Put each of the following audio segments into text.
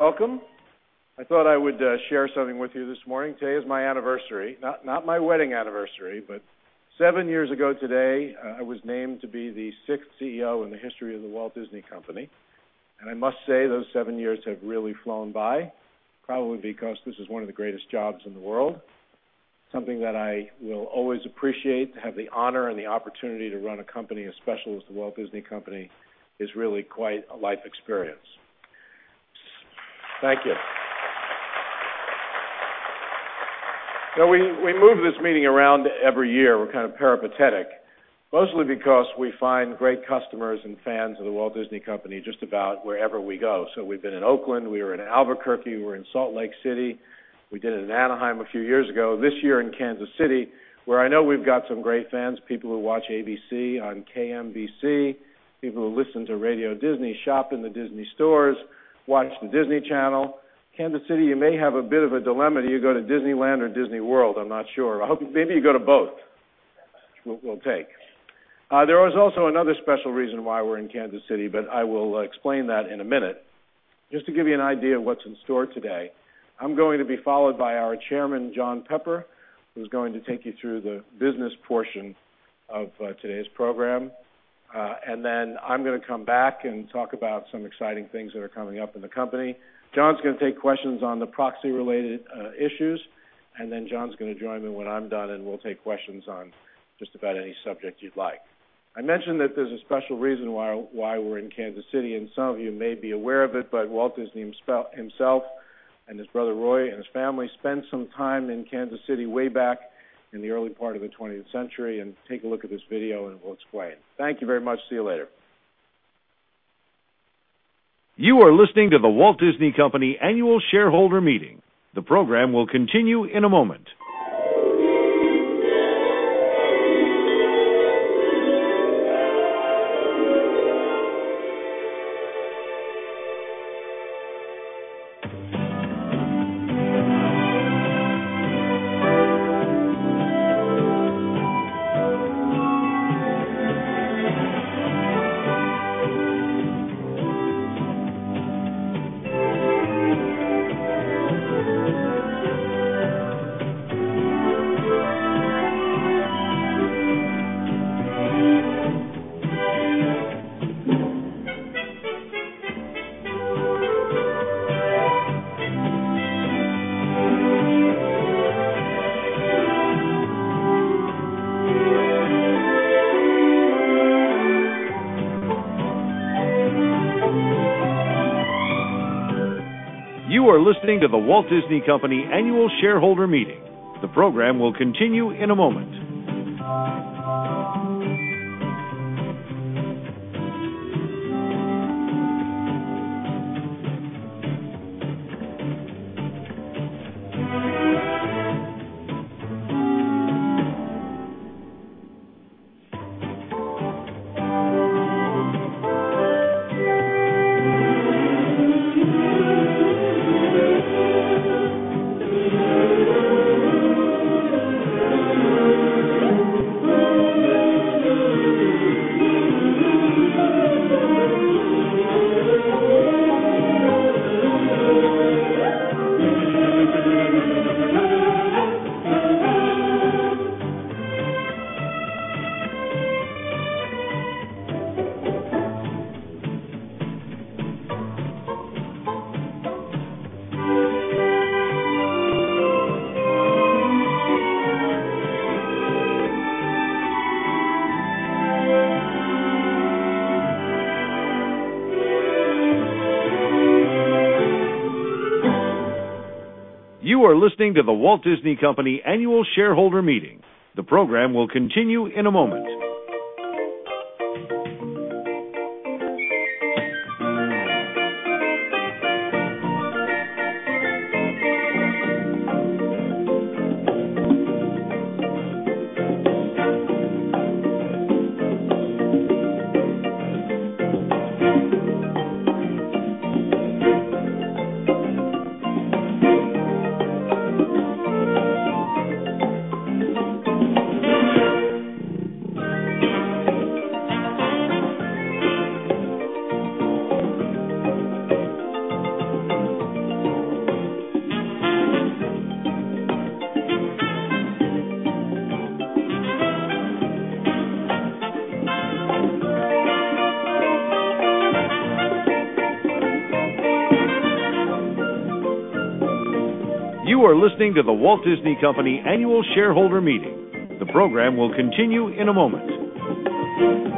Welcome. I thought I would share something with you this morning. Today is my anniversary. Not my wedding anniversary, but seven years ago today, I was named to be the sixth CEO in the history of The Walt Disney Company. I must say those seven years have really flown by, probably because this is one of the greatest jobs in the world. Something that I will always appreciate, to have the honor and the opportunity to run a company as special as The Walt Disney Company is really quite a life experience. Thank you. You know, we move this meeting around every year. We're kind of peripatetic, mostly because we find great customers and fans of The Walt Disney Company just about wherever we go. We've been in Oakland, we were in Albuquerque, we were in Salt Lake City. We did it in Anaheim a few years ago. This year in Kansas City, where I know we've got some great fans, people who watch ABC on KMBC, people who listen to Radio Disney, shop in the Disney stores, watch the Disney Channel. Kansas City, you may have a bit of a dilemma. Do you go to Disneyland or Walt Disney World? I'm not sure. Maybe you go to both. We'll take it. There is also another special reason why we're in Kansas City, but I will explain that in a minute. Just to give you an idea of what's in store today, I'm going to be followed by our Chairman, John Pepper, who's going to take you through the business portion of today's program. I'm going to come back and talk about some exciting things that are coming up in the company. John's going to take questions on the proxy-related issues. John's going to join me when I'm done, and we'll take questions on just about any subject you'd like. I mentioned that there's a special reason why we're in Kansas City, and some of you may be aware of it, but Walt Disney himself and his brother Roy and his family spent some time in Kansas City way back in the early part of the 20th century. Take a look at this video, and we'll explain. Thank you very much. See you later. You are listening to The Walt Disney Company Annual Shareholder Meeting. The program will continue in a moment. You are listening to The Walt Disney Company Annual Shareholder Meeting. The program will continue in a moment. You are listening to The Walt Disney Company Annual Shareholder Meeting. The program will continue in a moment. You are listening to The Walt Disney Company Annual Shareholder Meeting. The program will continue in a moment.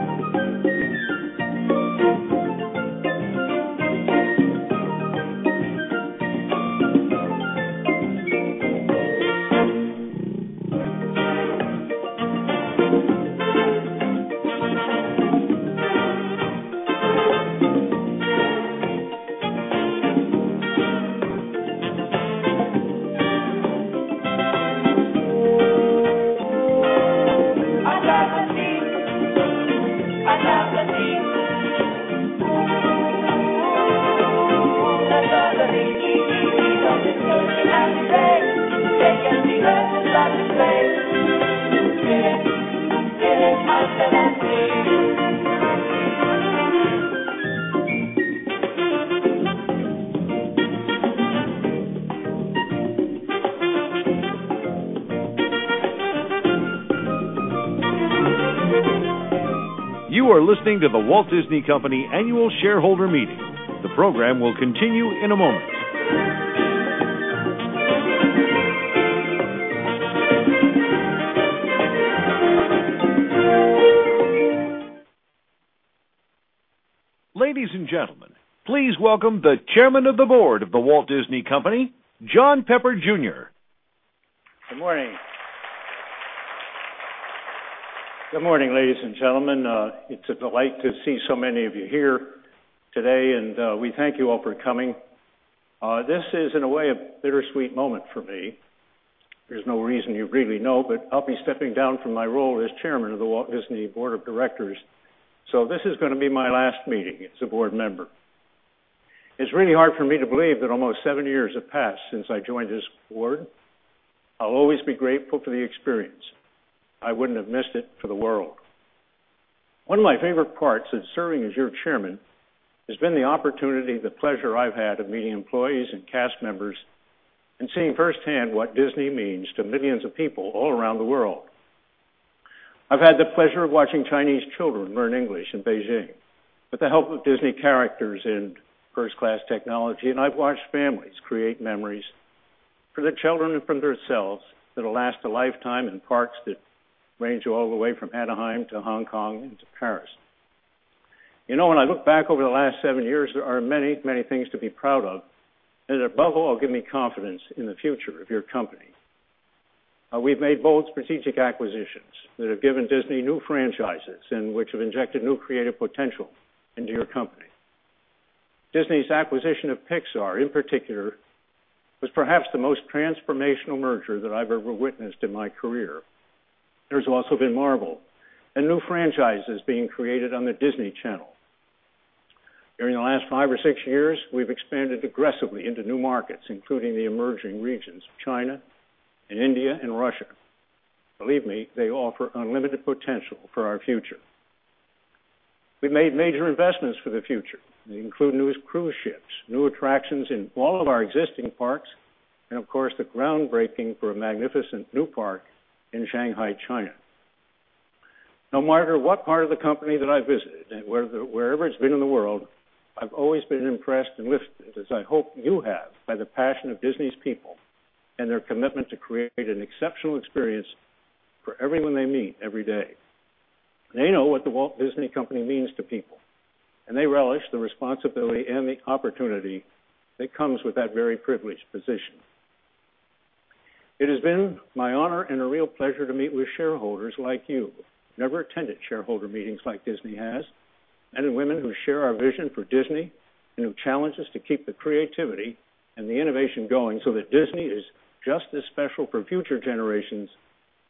You are listening to The Walt Disney Company Annual Shareholder Meeting. The program will continue in a moment. Ladies and gentlemen, please welcome the Chairman of the Board of The Walt Disney Company, John Pepper, Jr. Good morning. Good morning, ladies and gentlemen. It's a delight to see so many of you here today, and we thank you all for coming. This is, in a way, a bittersweet moment for me. There's no reason you really know, but I'll be stepping down from my role as Chairman of the Board of Directors of The Walt Disney Company. This is going to be my last meeting as a board member. It's really hard for me to believe that almost seven years have passed since I joined this board. I'll always be grateful for the experience. I wouldn't have missed it for the world. One of my favorite parts of serving as your Chairman has been the opportunity, the pleasure I've had of meeting employees and cast members and seeing firsthand what Disney means to millions of people all around the world. I've had the pleasure of watching Chinese children learn English in Beijing with the help of Disney characters and first-class technology. I've watched families create memories for the children and for themselves that will last a lifetime in parks that range all the way from Anaheim to Hong Kong and to Paris. When I look back over the last seven years, there are many, many things to be proud of. Above all, they give me confidence in the future of your company. We've made bold strategic acquisitions that have given Disney new franchises and which have injected new creative potential into your company. Disney's acquisition of Pixar, in particular, was perhaps the most transformational merger that I've ever witnessed in my career. There's also been Marvel and new franchises being created on Disney Channel. During the last five or six years, we've expanded aggressively into new markets, including the emerging regions of China and India and Russia. They offer unlimited potential for our future. We've made major investments for the future. They include new cruise ships, new attractions in all of our existing parks, and of course, the groundbreaking for a magnificent new park in Shanghai, China. No matter what part of the company that I visit, wherever it's been in the world, I've always been impressed and lifted, as I hope you have, by the passion of Disney's people and their commitment to create an exceptional experience for everyone they meet every day. They know what The Walt Disney Company means to people. They relish the responsibility and the opportunity that comes with that very privileged position. It has been my honor and a real pleasure to meet with shareholders like you, who've never attended shareholder meetings like Disney has, and in women who share our vision for Disney and who challenge us to keep the creativity and the innovation going so that Disney is just as special for future generations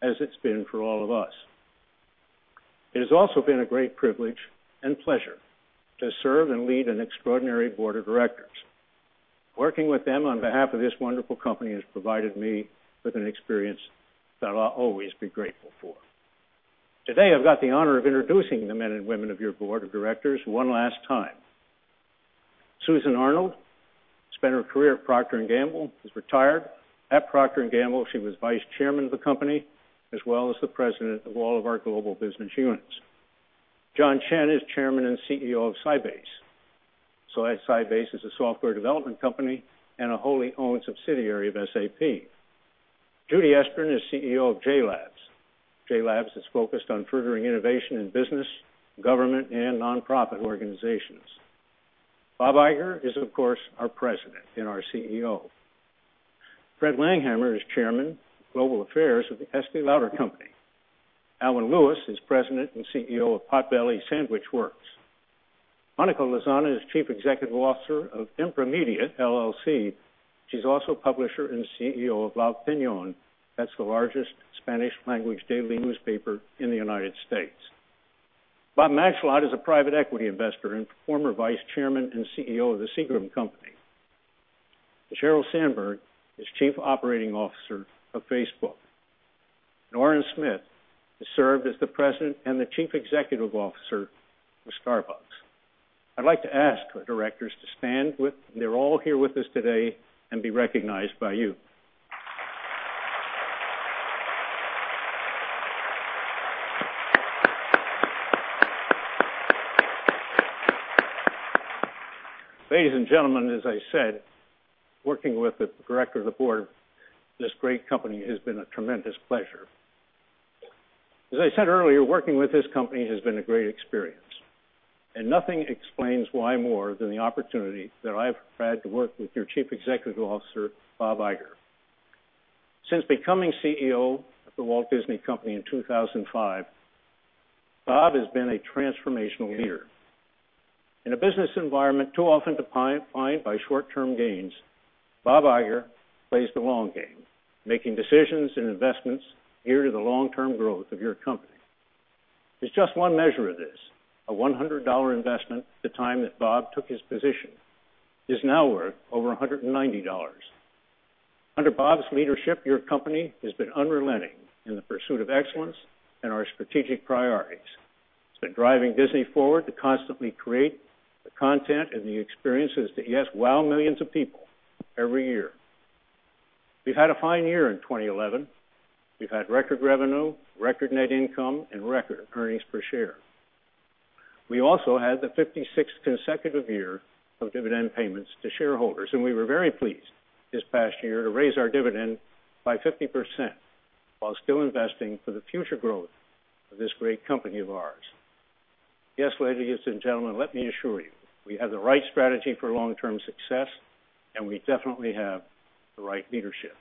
as it's been for all of us. It has also been a great privilege and pleasure to serve and lead an extraordinary Board of Directors. Working with them on behalf of this wonderful company has provided me with an experience that I'll always be grateful for. Today, I've got the honor of introducing the men and women of your Board of Directors one last time. Susan Arnold spent her career at Procter & Gamble. She's retired. At Procter & Gamble, she was Vice Chairman of the company, as well as the President of all of our global business units. John Chen is Chairman and CEO of Sybase. Sybase is a software development company and a wholly owned subsidiary of SAP. Judy Estrin is CEO of JLabs. JLabs is focused on furthering innovation in business, government, and nonprofit organizations. Bob Iger is, of course, our President and our CEO. Fred Langhammer is Chairman of Global Affairs of the S.P. Lauder Company. Alan Lewis is President and CEO of Potbelly Sandwich Works. Monica Lozano is Chief Executive Officer of ImpreMedia LLC. She's also a publisher and CEO of La Opinión. That's the largest Spanish-language daily newspaper in the United States. Bob Matschullat is a private equity investor and former Vice Chairman and CEO of the Seagram Company. Sheryl Sandberg is Chief Operating Officer of Facebook. Orin Smith has served as the President and the Chief Executive Officer of Starbucks. I'd like to ask our directors to stand with—and they're all here with us today—and be recognized by you. Ladies and gentlemen, as I said, working with the Director of the Board of this great company has been a tremendous pleasure. As I said earlier, working with this company has been a great experience. Nothing explains why more than the opportunity that I've had to work with your Chief Executive Officer, Bob Iger. Since becoming CEO of The Walt Disney Company in 2005, Bob has been a transformational leader. In a business environment too often defined by short-term gains, Bob Iger plays the long game, making decisions and investments geared to the long-term growth of your company. There's just one measure of this: a $100 investment at the time that Bob took his position. It is now worth over $190. Under Bob's leadership, your company has been unrelenting in the pursuit of excellence and our strategic priorities. It's been driving Disney forward to constantly create the content and the experiences that, yes, wow millions of people every year. We've had a fine year in 2011. We've had record revenue, record net income, and record earnings per share. We also had the 56th consecutive year of dividend payments to shareholders, and we were very pleased this past year to raise our dividend by 50% while still investing for the future growth of this great company of ours. Yes, ladies and gentlemen, let me assure you, we have the right strategy for long-term success, and we definitely have the right leadership.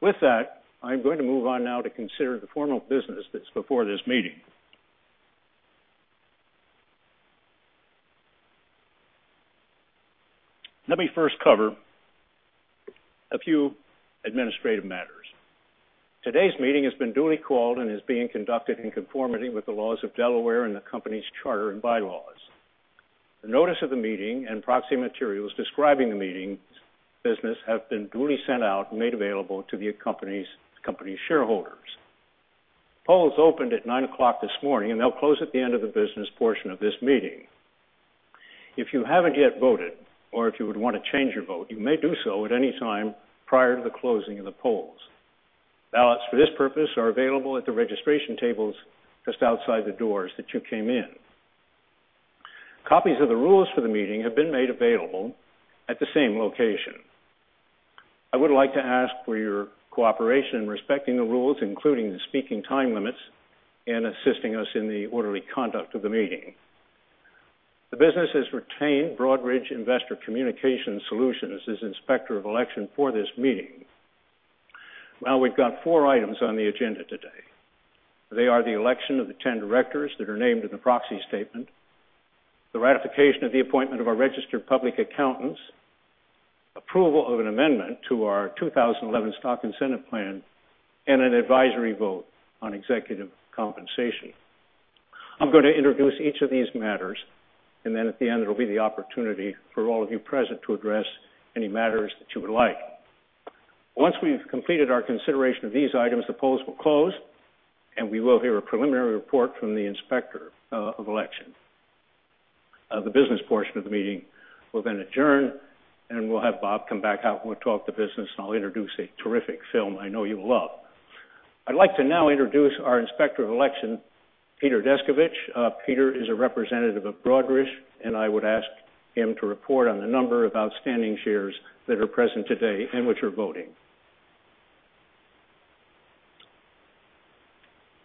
With that, I'm going to move on now to consider the formal business that's before this meeting. Let me first cover a few administrative matters. Today's meeting has been duly called and is being conducted in conformity with the laws of Delaware and the company's charter and bylaws. The notice of the meeting and proxy materials describing the meeting business have been duly sent out and made available to the company's shareholders. Polls opened at 9:00 A.M. this morning, and they'll close at the end of the business portion of this meeting. If you haven't yet voted or if you would want to change your vote, you may do so at any time prior to the closing of the polls. Ballots for this purpose are available at the registration tables just outside the doors that you came in. Copies of the rules for the meeting have been made available at the same location. I would like to ask for your cooperation in respecting the rules, including the speaking time limits and assisting us in the orderly conduct of the meeting. The business has retained Broadridge Investor Communication Solutions as Inspector of Election for this meeting. Now, we've got four items on the agenda today. They are the election of the 10 directors that are named in the proxy statement, the ratification of the appointment of our registered public accountants, approval of an amendment to our 2011 stock incentive plan, and an advisory vote on executive compensation. I'm going to introduce each of these matters, and then at the end, it'll be the opportunity for all of you present to address any matters that you would like. Once we've completed our consideration of these items, the polls will close, and we will hear a preliminary report from the Inspector of Election. The business portion of the meeting will then adjourn, and we'll have Bob come back out and we'll talk to business, and I'll introduce a terrific film I know you'll love. I'd like to now introduce our Inspector of Election, Peter Descovich. Peter is a representative of Broadridge, and I would ask him to report on the number of outstanding shares that are present today and which are voting.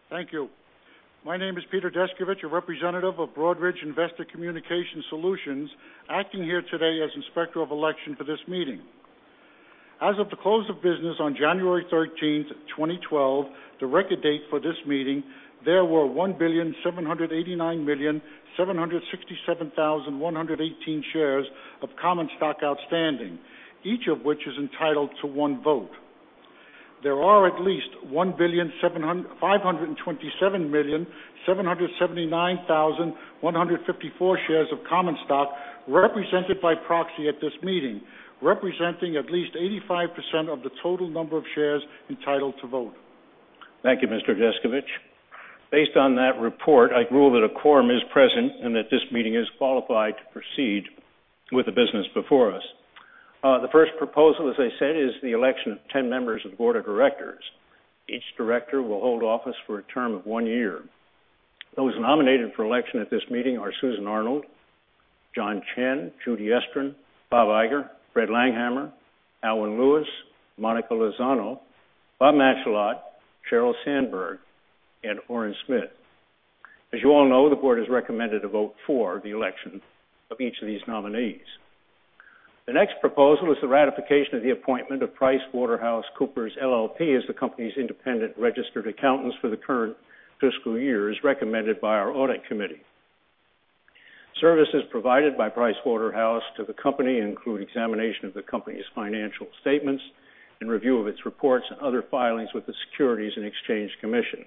Thank you. My name is Peter Descovich, a representative of Broadridge Investor Communication Solutions, acting here today as Inspector of Election for this meeting. As of the close of business on January 13, 2012, the record date for this meeting, there were 1,789,767,118 shares of common stock outstanding, each of which is entitled to one vote. There are at least 1,527,779,154 shares of common stock represented by proxy at this meeting, representing at least 85% of the total number of shares entitled to vote. Thank you, Mr. Descovich. Based on that report, I rule that a quorum is present and that this meeting is qualified to proceed with the business before us. The first proposal, as I said, is the election of 10 members of the board of directors. Each director will hold office for a term of one year. Those nominated for election at this meeting are Susan Arnold, John Chen, Judy Estrin, Bob Iger, Fred Langhammer, Alan Lewis, Monica Lozano, Bob Matschullat, Sheryl Sandberg, and Orin Smith. As you all know, the board has recommended a vote for the election of each of these nominees. The next proposal is the ratification of the appointment of PricewaterhouseCoopers LLP as the company's independent registered accountants for the current fiscal year as recommended by our audit committee. Services provided by Pricewaterhouse to the company include examination of the company's financial statements and review of its reports and other filings with the Securities and Exchange Commission.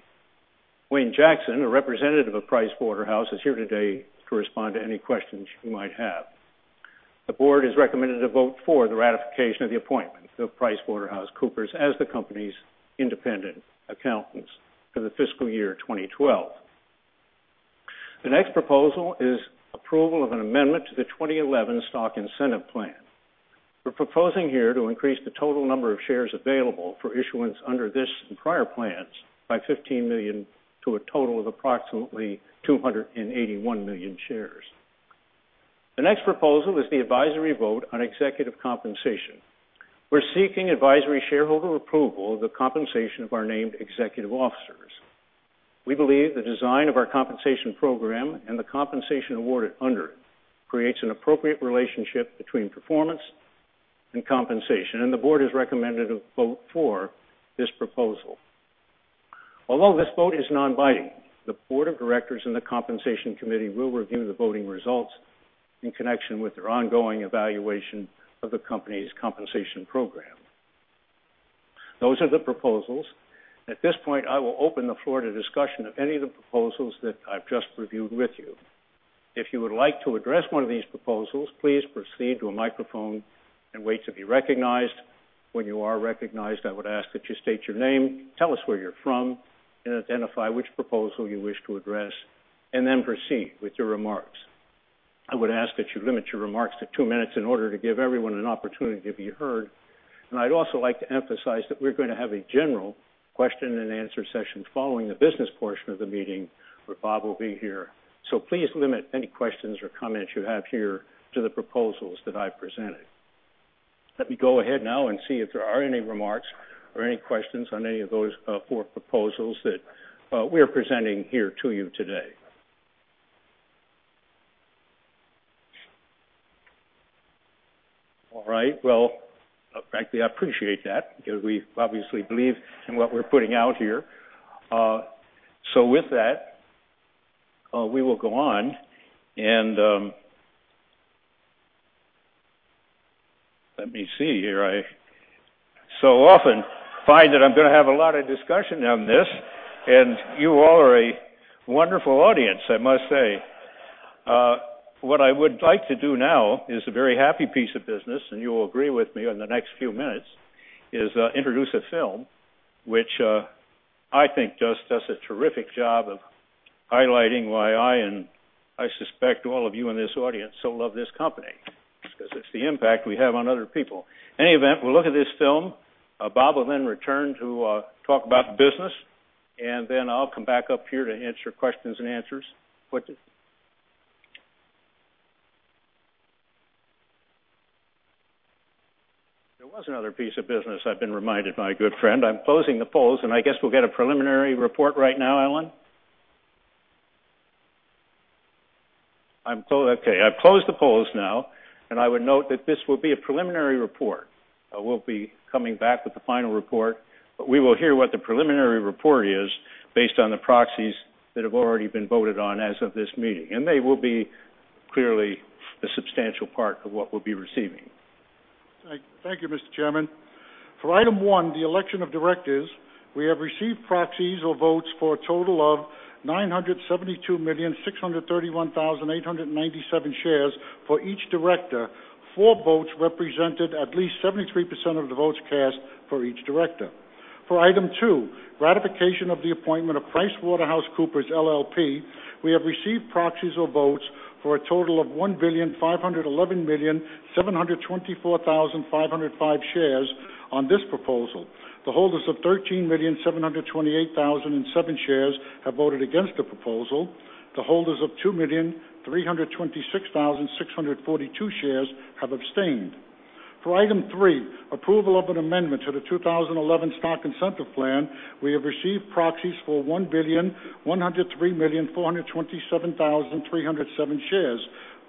Wayne Jackson, a representative of Pricewaterhouse, is here today to respond to any questions you might have. The board has recommended a vote for the ratification of the appointment of Pricewaterhouse as the company's independent accountants for the fiscal year 2012. The next proposal is approval of an amendment to the 2011 stock incentive plan. We're proposing here to increase the total number of shares available for issuance under this and prior plans by 15 million to a total of approximately 281 million shares. The next proposal is the advisory vote on executive compensation. We're seeking advisory shareholder approval of the compensation of our named executive officers. We believe the design of our compensation program and the compensation awarded under it creates an appropriate relationship between performance and compensation, and the board has recommended a vote for this proposal. Although this vote is nonbinding, the board of directors and the compensation committee will review the voting results in connection with their ongoing evaluation of the company's compensation program. Those are the proposals. At this point, I will open the floor to discussion of any of the proposals that I've just reviewed with you. If you would like to address one of these proposals, please proceed to a microphone and wait to be recognized. When you are recognized, I would ask that you state your name, tell us where you're from, and identify which proposal you wish to address, and then proceed with your remarks. I would ask that you limit your remarks to two minutes in order to give everyone an opportunity to be heard. I would also like to emphasize that we're going to have a general question and answer session following the business portion of the meeting where Bob will be here. Please limit any questions or comments you have here to the proposals that I presented. Let me go ahead now and see if there are any remarks or any questions on any of those four proposals that we are presenting here to you today. I appreciate that because we obviously believe in what we're putting out here. With that, we will go on. I so often find that I'm going to have a lot of discussion on this, and you all are a wonderful audience, I must say. What I would like to do now is a very happy piece of business, and you will agree with me in the next few minutes, is introduce a film which I think just does a terrific job of highlighting why I, and I suspect all of you in this audience, so love this company. It's because it's the impact we have on other people. In any event, we'll look at this film. Bob will then return to talk about the business, and then I'll come back up here to answer questions and answers. There was another piece of business I've been reminded of, my good friend. I'm closing the polls, and I guess we'll get a preliminary report right now, Alan? I'm closing the polls now, and I would note that this will be a preliminary report. We'll be coming back with the final report. We will hear what the preliminary report is based on the proxies that have already been voted on as of this meeting. They will be clearly a substantial part of what we'll be receiving. Thank you, Mr. Chairman. For item one, the election of directors, we have received proxies or votes for a total of 972,631,897 shares for each director. For votes represented at least 73% of the votes cast for each director. For item two, ratification of the appointment of PricewaterhouseCoopers LLP, we have received proxies or votes for a total of 1,511,724,505 shares on this proposal. The holders of 13,728,007 shares have voted against the proposal. The holders of 2,326,642 shares have abstained. For item three, approval of an amendment to the 2011 stock incentive plan, we have received proxies for 1,103,427,307 shares,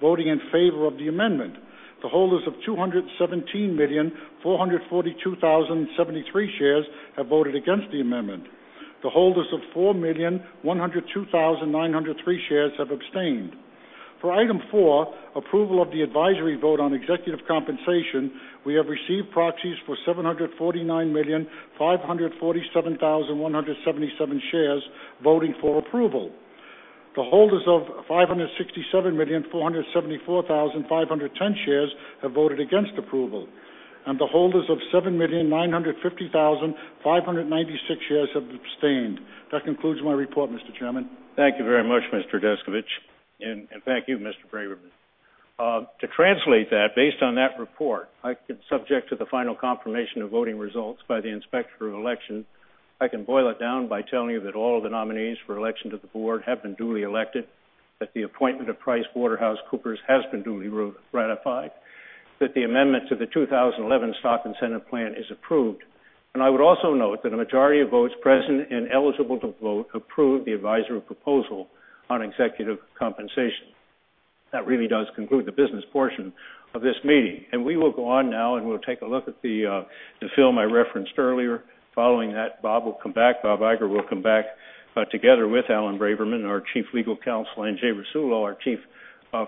voting in favor of the amendment. The holders of 217,442,073 shares have voted against the amendment. The holders of 4,102,903 shares have abstained. For item four, approval of the advisory vote on executive compensation, we have received proxies for 749,547,177 shares, voting for approval. The holders of 567,474,510 shares have voted against approval. The holders of 7,950,596 shares have abstained. That concludes my report, Mr. Chairman. Thank you very much, Mr. Descovich. Thank you, Mr. Braverman. To translate that, based on that report, I can, subject to the final confirmation of voting results by the Inspector of Election, boil it down by telling you that all of the nominees for election to the board have been duly elected, that the appointment of PricewaterhouseCoopers LLP has been duly ratified, and that the amendment to the 2011 stock incentive plan is approved. I would also note that a majority of votes present and eligible to vote approved the advisory proposal on executive compensation. That really does conclude the business portion of this meeting. We will go on now, and we'll take a look at the film I referenced earlier. Following that, Bob will come back. Bob Iger will come back together with Alan Braverman, our Chief Legal Officer, and Jay Rasulo, our Chief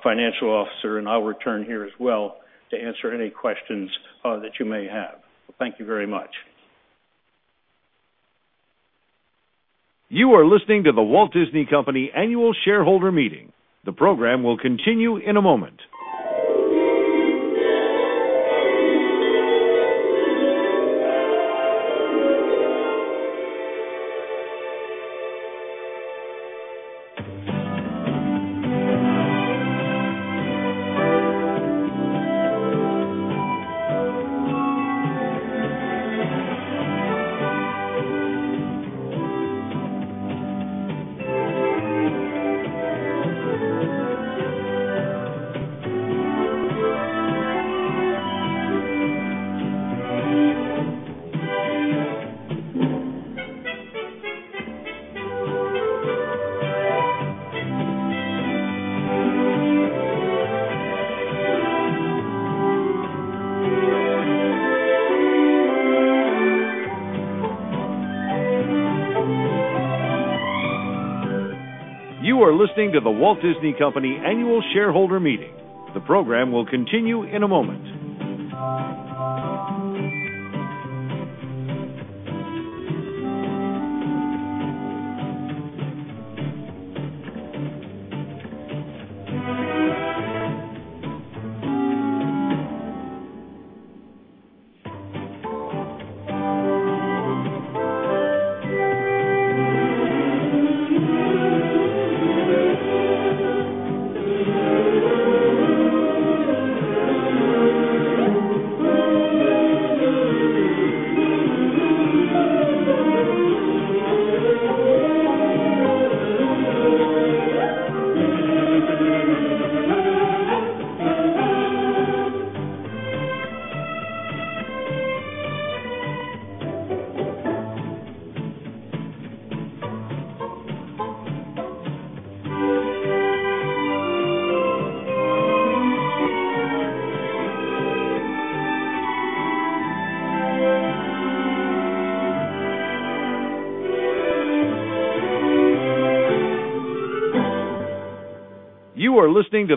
Financial Officer. I'll return here as well to answer any questions that you may have. Thank you very much. You are listening to The Walt Disney Company Annual Shareholder Meeting. The program will continue in a moment. You are listening to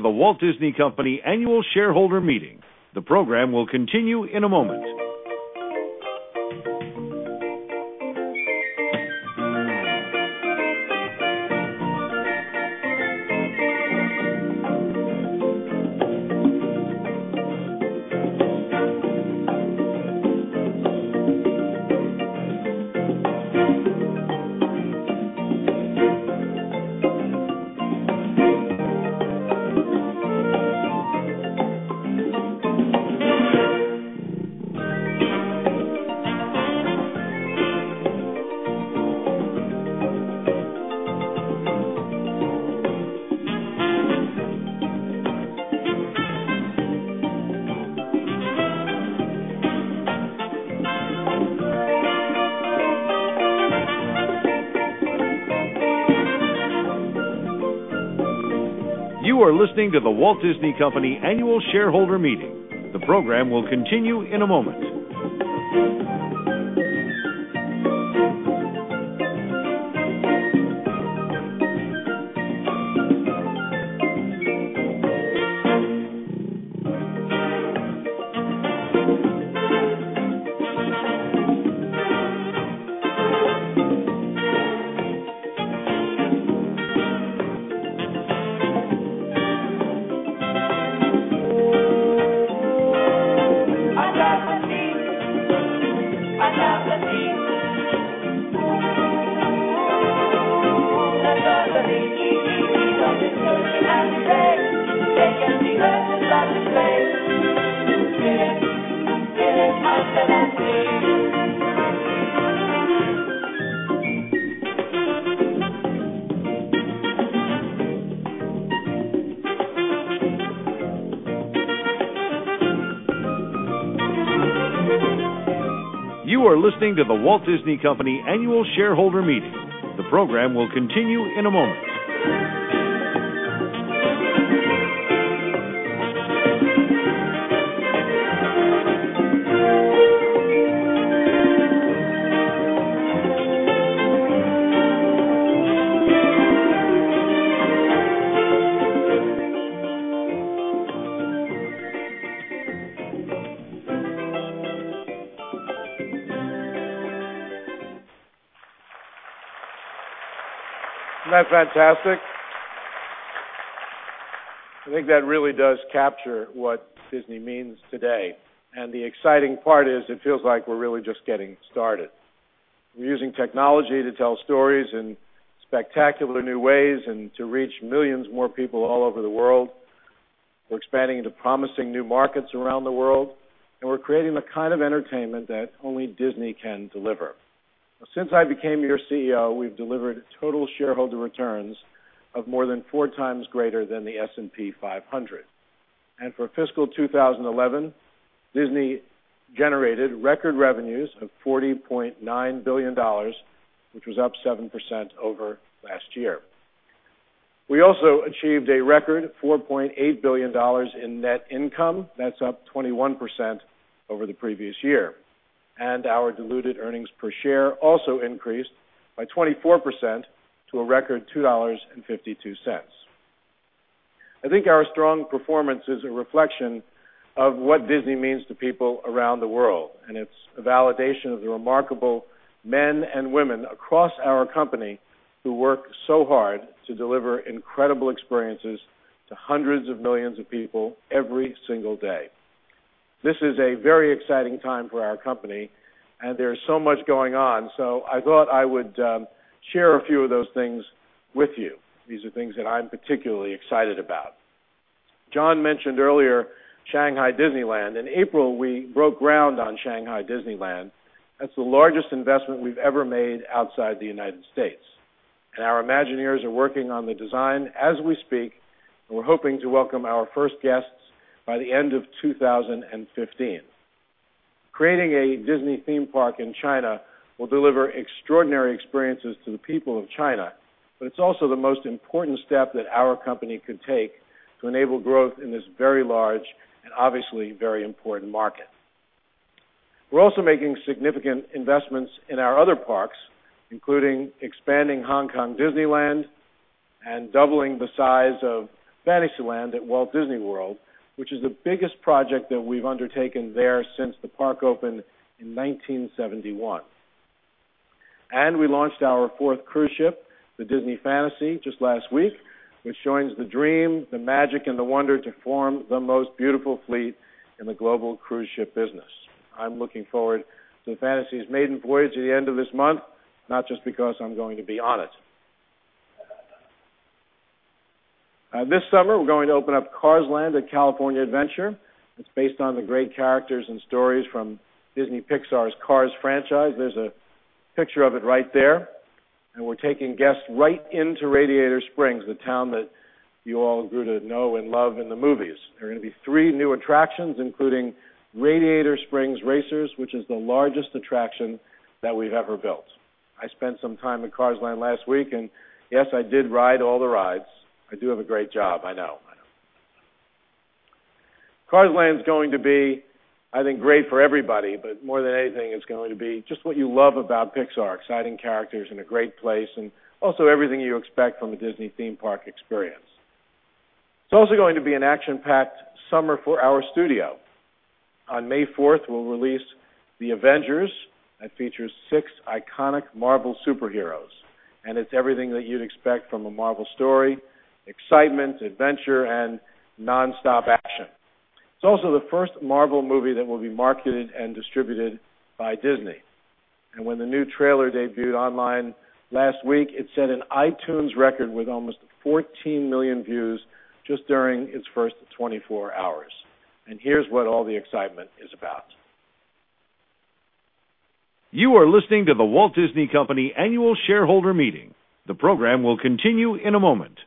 The Walt Disney Company Annual Shareholder Meeting. The program will continue in a moment. You are listening to The Walt Disney Company Annual Shareholder Meeting. The program will continue in a moment. You are listening to The Walt Disney Company Annual Shareholder Meeting. The program will continue in a moment. You are listening to The Walt Disney Company Annual Shareholder Meeting. The program will continue in a moment. Isn't that fantastic? I think that really does capture what Disney means today. The exciting part is it feels like we're really just getting started. We're using technology to tell stories in spectacular new ways and to reach millions more people all over the world. We're expanding into promising new markets around the world. We're creating the kind of entertainment that only Disney can deliver. Since I became your CEO, we've delivered total shareholder returns of more than four times greater than the S&P 500. For fiscal 2011, Disney generated record revenues of $40.9 billion, which was up 7% over last year. We also achieved a record $4.8 billion in net income. That's up 21% over the previous year. Our diluted earnings per share also increased by 24% to a record $2.52. I think our strong performance is a reflection of what Disney means to people around the world. It's a validation of the remarkable men and women across our company who work so hard to deliver incredible experiences to hundreds of millions of people every single day. This is a very exciting time for our company, and there's so much going on. I thought I would share a few of those things with you. These are things that I'm particularly excited about. John mentioned earlier Shanghai Disneyland. In April, we broke ground on Shanghai Disneyland. That's the largest investment we've ever made outside the United States. Our Imagineers are working on the design as we speak, and we're hoping to welcome our first guests by the end of 2015. Creating a Disney theme park in China will deliver extraordinary experiences to the people of China, but it's also the most important step that our company could take to enable growth in this very large and obviously very important market. We're also making significant investments in our other parks, including expanding Hong Kong Disneyland and doubling the size of Fantasyland at Walt Disney World, which is the biggest project that we've undertaken there since the park opened in 1971. We launched our fourth cruise ship, the Disney Fantasy, just last week, which joins the Dream, the Magic, and the Wonder to form the most beautiful fleet in the global cruise ship business. I'm looking forward to the Fantasy's maiden voyage at the end of this month, not just because I'm going to be on it. This summer, we're going to open up Cars Land at California Adventure. It's based on the great characters and stories from Disney Pixar's Cars franchise. There's a picture of it right there. We're taking guests right into Radiator Springs, the town that you all grew to know and love in the movies. There are going to be three new attractions, including Radiator Springs Racers, which is the largest attraction that we've ever built. I spent some time at Cars Land last week, and yes, I did ride all the rides. I do have a great job, I know. Cars Land is going to be, I think, great for everybody, but more than anything, it's going to be just what you love about Pixar: exciting characters in a great place and also everything you expect from a Disney theme park experience. It's also going to be an action-packed summer for our studio. On May 4, we'll release The Avengers. It features six iconic Marvel superheroes. It's everything that you'd expect from a Marvel story: excitement, adventure, and nonstop action. It's also the first Marvel movie that will be marketed and distributed by Disney. When the new trailer debuted online last week, it set an iTunes record with almost 14 million views just during its first 24 hours. Here's what all the excitement is about. You are listening to The Walt Disney Company Annual Shareholder Meeting. The program will continue in a moment.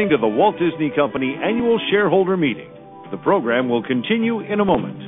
You are listening to The Walt Disney Company Annual Shareholder Meeting. The program will continue in a moment.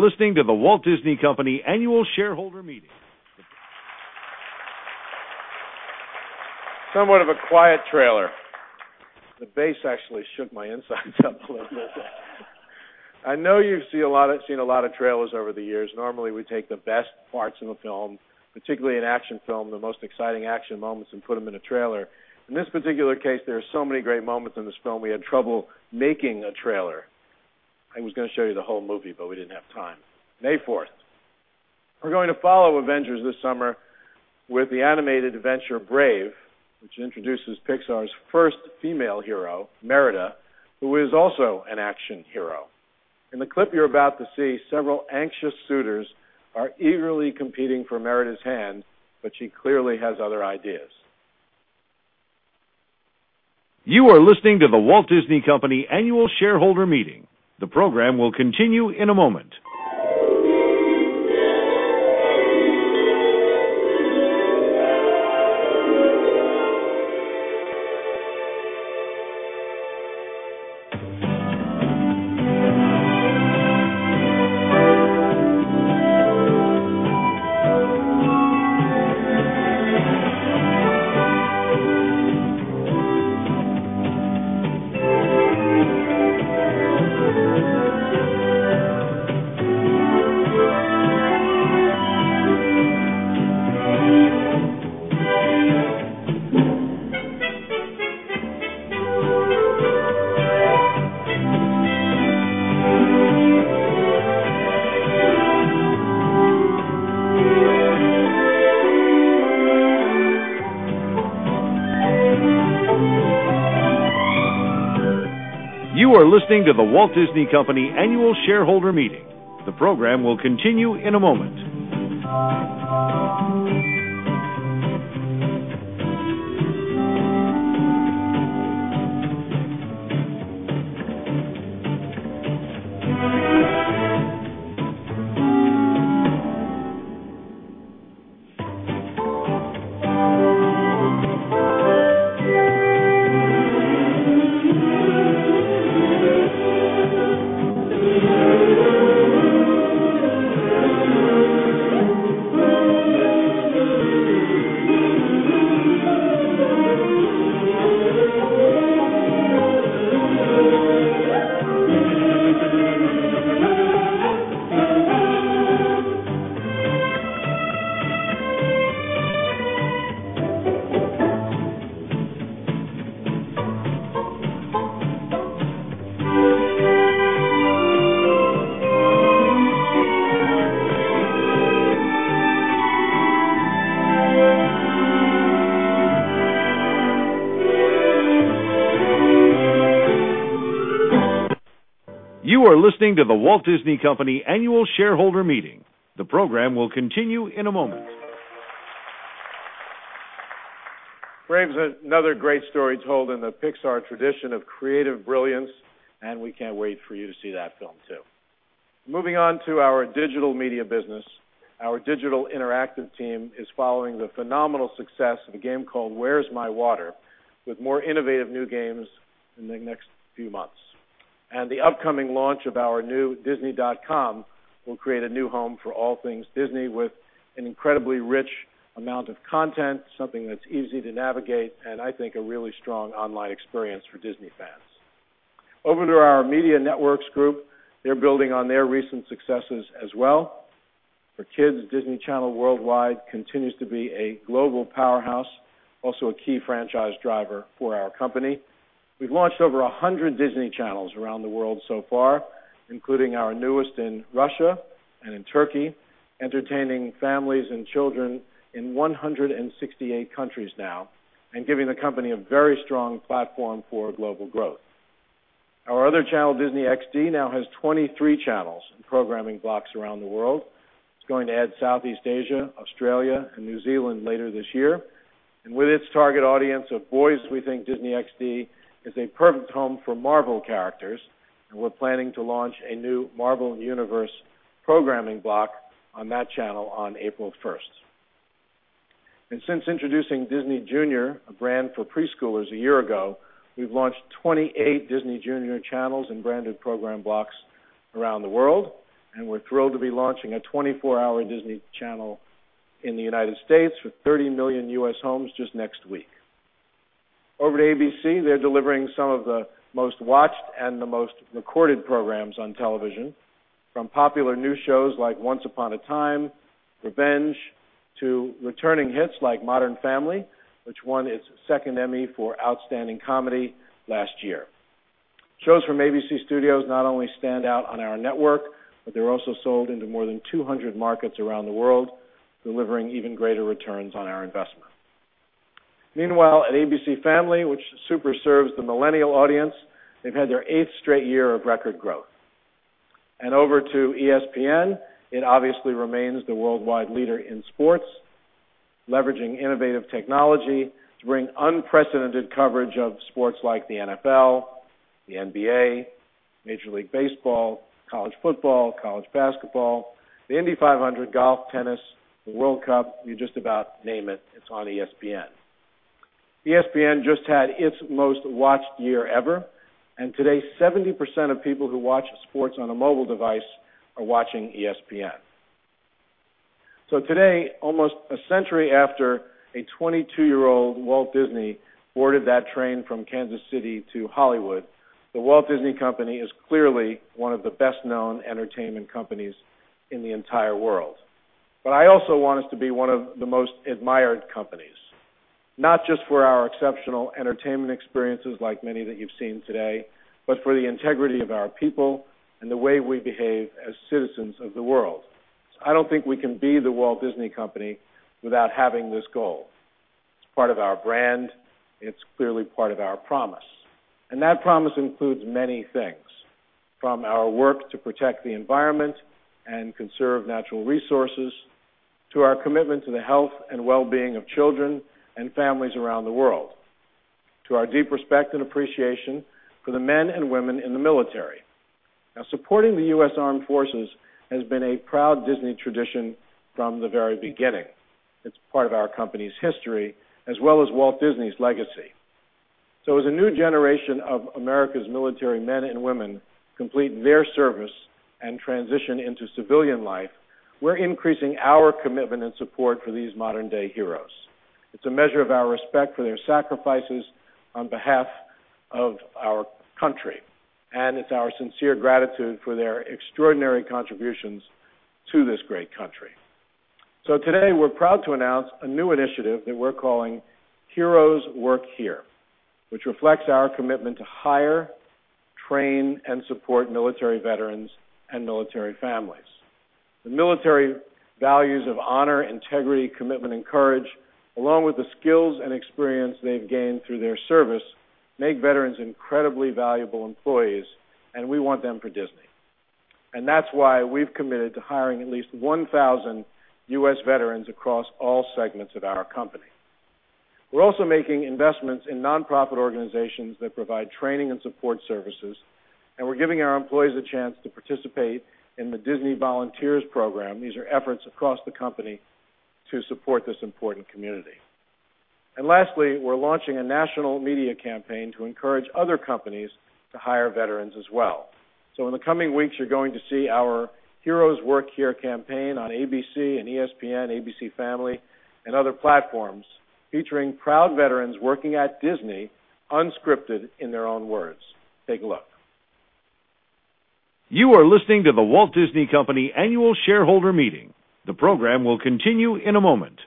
You are listening to The Walt Disney Company Annual Shareholder Meeting. Somewhat of a quiet trailer. The bass actually shook my insides up a little bit. I know you've seen a lot of trailers over the years. Normally, we take the best parts in a film, particularly in an action film, the most exciting action moments, and put them in a trailer. In this particular case, there are so many great moments in this film, we had trouble making a trailer. I was going to show you the whole movie, but we didn't have time. May 4. We're going to follow The Avengers this summer with the animated adventure Brave, which introduces Pixar's first female hero, Merida, who is also an action hero. In the clip you're about to see, several anxious suitors are eagerly competing for Merida's hand, but she clearly has other ideas. You are listening to The Walt Disney Company Annual Shareholder Meeting. The program will continue in a moment. You are listening to The Walt Disney Company Annual Shareholder Meeting. The program will continue in a moment. You are listening to The Walt Disney Company Annual Shareholder Meeting. The program will continue in a moment. Brave is another great story told in the Pixar tradition of creative brilliance. We can't wait for you to see that film too. Moving on to our digital media business, our digital interactive team is following the phenomenal success of a game called Where's My Water? with more innovative new games in the next few months. The upcoming launch of our new Disney.com will create a new home for all things Disney with an incredibly rich amount of content, something that's easy to navigate, and I think a really strong online experience for Disney fans. Over to our media networks group, they're building on their recent successes as well. For kids, Disney Channel Worldwide continues to be a global powerhouse, also a key franchise driver for our company. We've launched over 100 Disney Channels around the world so far, including our newest in Russia and in Turkey, entertaining families and children in 168 countries now and giving the company a very strong platform for global growth. Our other channel, Disney XD, now has 23 channels and programming blocks around the world. It is going to add Southeast Asia, Australia, and New Zealand later this year. With its target audience of boys, we think Disney XD is a perfect home for Marvel characters. We're planning to launch a new Marvel Universe programming block on that channel on April 1. Since introducing Disney Junior, a brand for preschoolers, a year ago, we've launched 28 Disney Junior channels and branded program blocks around the world. We're thrilled to be launching a 24-hour Disney Channel in the United States for 30 million U.S. homes just next week. Over to ABC, they're delivering some of the most watched and the most recorded programs on television, from popular new shows like Once Upon a Time, Revenge to returning hits like Modern Family, which won its second Emmy for outstanding comedy last year. Shows from ABC Studios not only stand out on our network, but they're also sold into more than 200 markets around the world, delivering even greater returns on our investment. Meanwhile, at ABC Family, which superserves the millennial audience, they've had their eighth straight year of record growth. Over to ESPN, it obviously remains the worldwide leader in sports, leveraging innovative technology to bring unprecedented coverage of sports like the NFL, the NBA, Major League Baseball, college football, college basketball, the Indy 500, golf, tennis, the World Cup. You just about name it, it's on ESPN. ESPN just had its most watched year ever. Today, 70% of people who watch sports on a mobile device are watching ESPN. Today, almost a century after a 22-year-old Walt Disney boarded that train from Kansas City to Hollywood, The Walt Disney Company is clearly one of the best-known entertainment companies in the entire world. I also want us to be one of the most admired companies, not just for our exceptional entertainment experiences, like many that you've seen today, but for the integrity of our people and the way we behave as citizens of the world. I don't think we can be The Walt Disney Company without having this goal. It's part of our brand. It's clearly part of our promise. That promise includes many things, from our work to protect the environment and conserve natural resources to our commitment to the health and well-being of children and families around the world, to our deep respect and appreciation for the men and women in the military. Supporting the U.S. Armed Forces has been a proud Disney tradition from the very beginning. It's part of our company's history as well as Walt Disney's legacy. As a new generation of America's military men and women complete their service and transition into civilian life, we're increasing our commitment and support for these modern-day heroes. It's a measure of our respect for their sacrifices on behalf of our country. It's our sincere gratitude for their extraordinary contributions to this great country. Today, we're proud to announce a new initiative that we're calling Heroes Work Here, which reflects our commitment to hire, train, and support military veterans and military families. The military values of honor, integrity, commitment, and courage, along with the skills and experience they've gained through their service, make veterans incredibly valuable employees, and we want them for Disney. That's why we've committed to hiring at least 1,000 U.S. veterans across all segments at our company. We're also making investments in nonprofit organizations that provide training and support services. We're giving our employees a chance to participate in the Disney Volunteers program. These are efforts across the company to support this important community. Lastly, we're launching a national media campaign to encourage other companies to hire veterans as well. In the coming weeks, you're going to see our Heroes Work Here campaign on ABC and ESPN, ABC Family, and other platforms featuring proud veterans working at Disney, unscripted in their own words. Take a look. You are listening to The Walt Disney Company Annual Shareholder Meeting. The program will continue in a moment.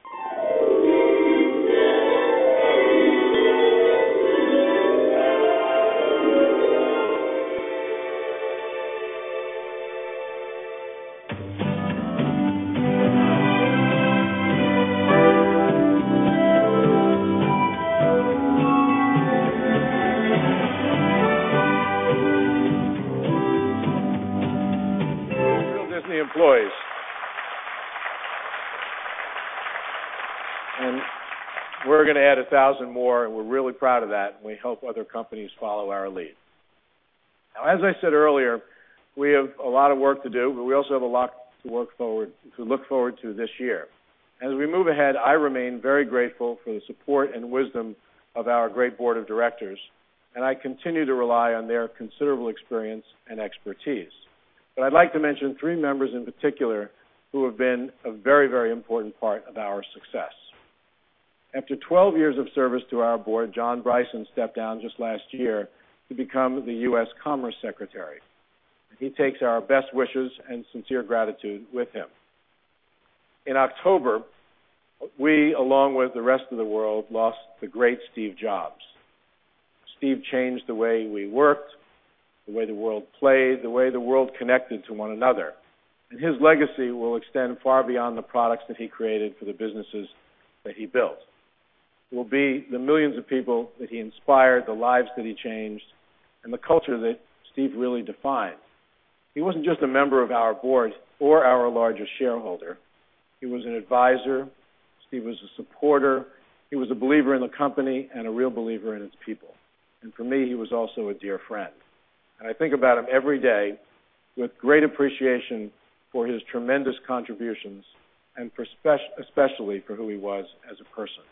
Real Disney employees. We're going to add 1,000 more, and we're really proud of that. We hope other companies follow our lead. As I said earlier, we have a lot of work to do, but we also have a lot to look forward to this year. As we move ahead, I remain very grateful for the support and wisdom of our great Board of Directors. I continue to rely on their considerable experience and expertise. I'd like to mention three members in particular who have been a very, very important part of our success. After 12 years of service to our board, John Bryson stepped down just last year to become the U.S. Commerce Secretary. He takes our best wishes and sincere gratitude with him. In October, we, along with the rest of the world, lost the great Steve Jobs. Steve changed the way we worked, the way the world played, the way the world connected to one another. His legacy will extend far beyond the products that he created for the businesses that he built. It will be the millions of people that he inspired, the lives that he changed, and the culture that Steve really defined. He wasn't just a member of our board or our largest shareholder. He was an advisor. Steve was a supporter. He was a believer in the company and a real believer in its people. For me, he was also a dear friend. I think about him every day with great appreciation for his tremendous contributions and especially for who he was as a person.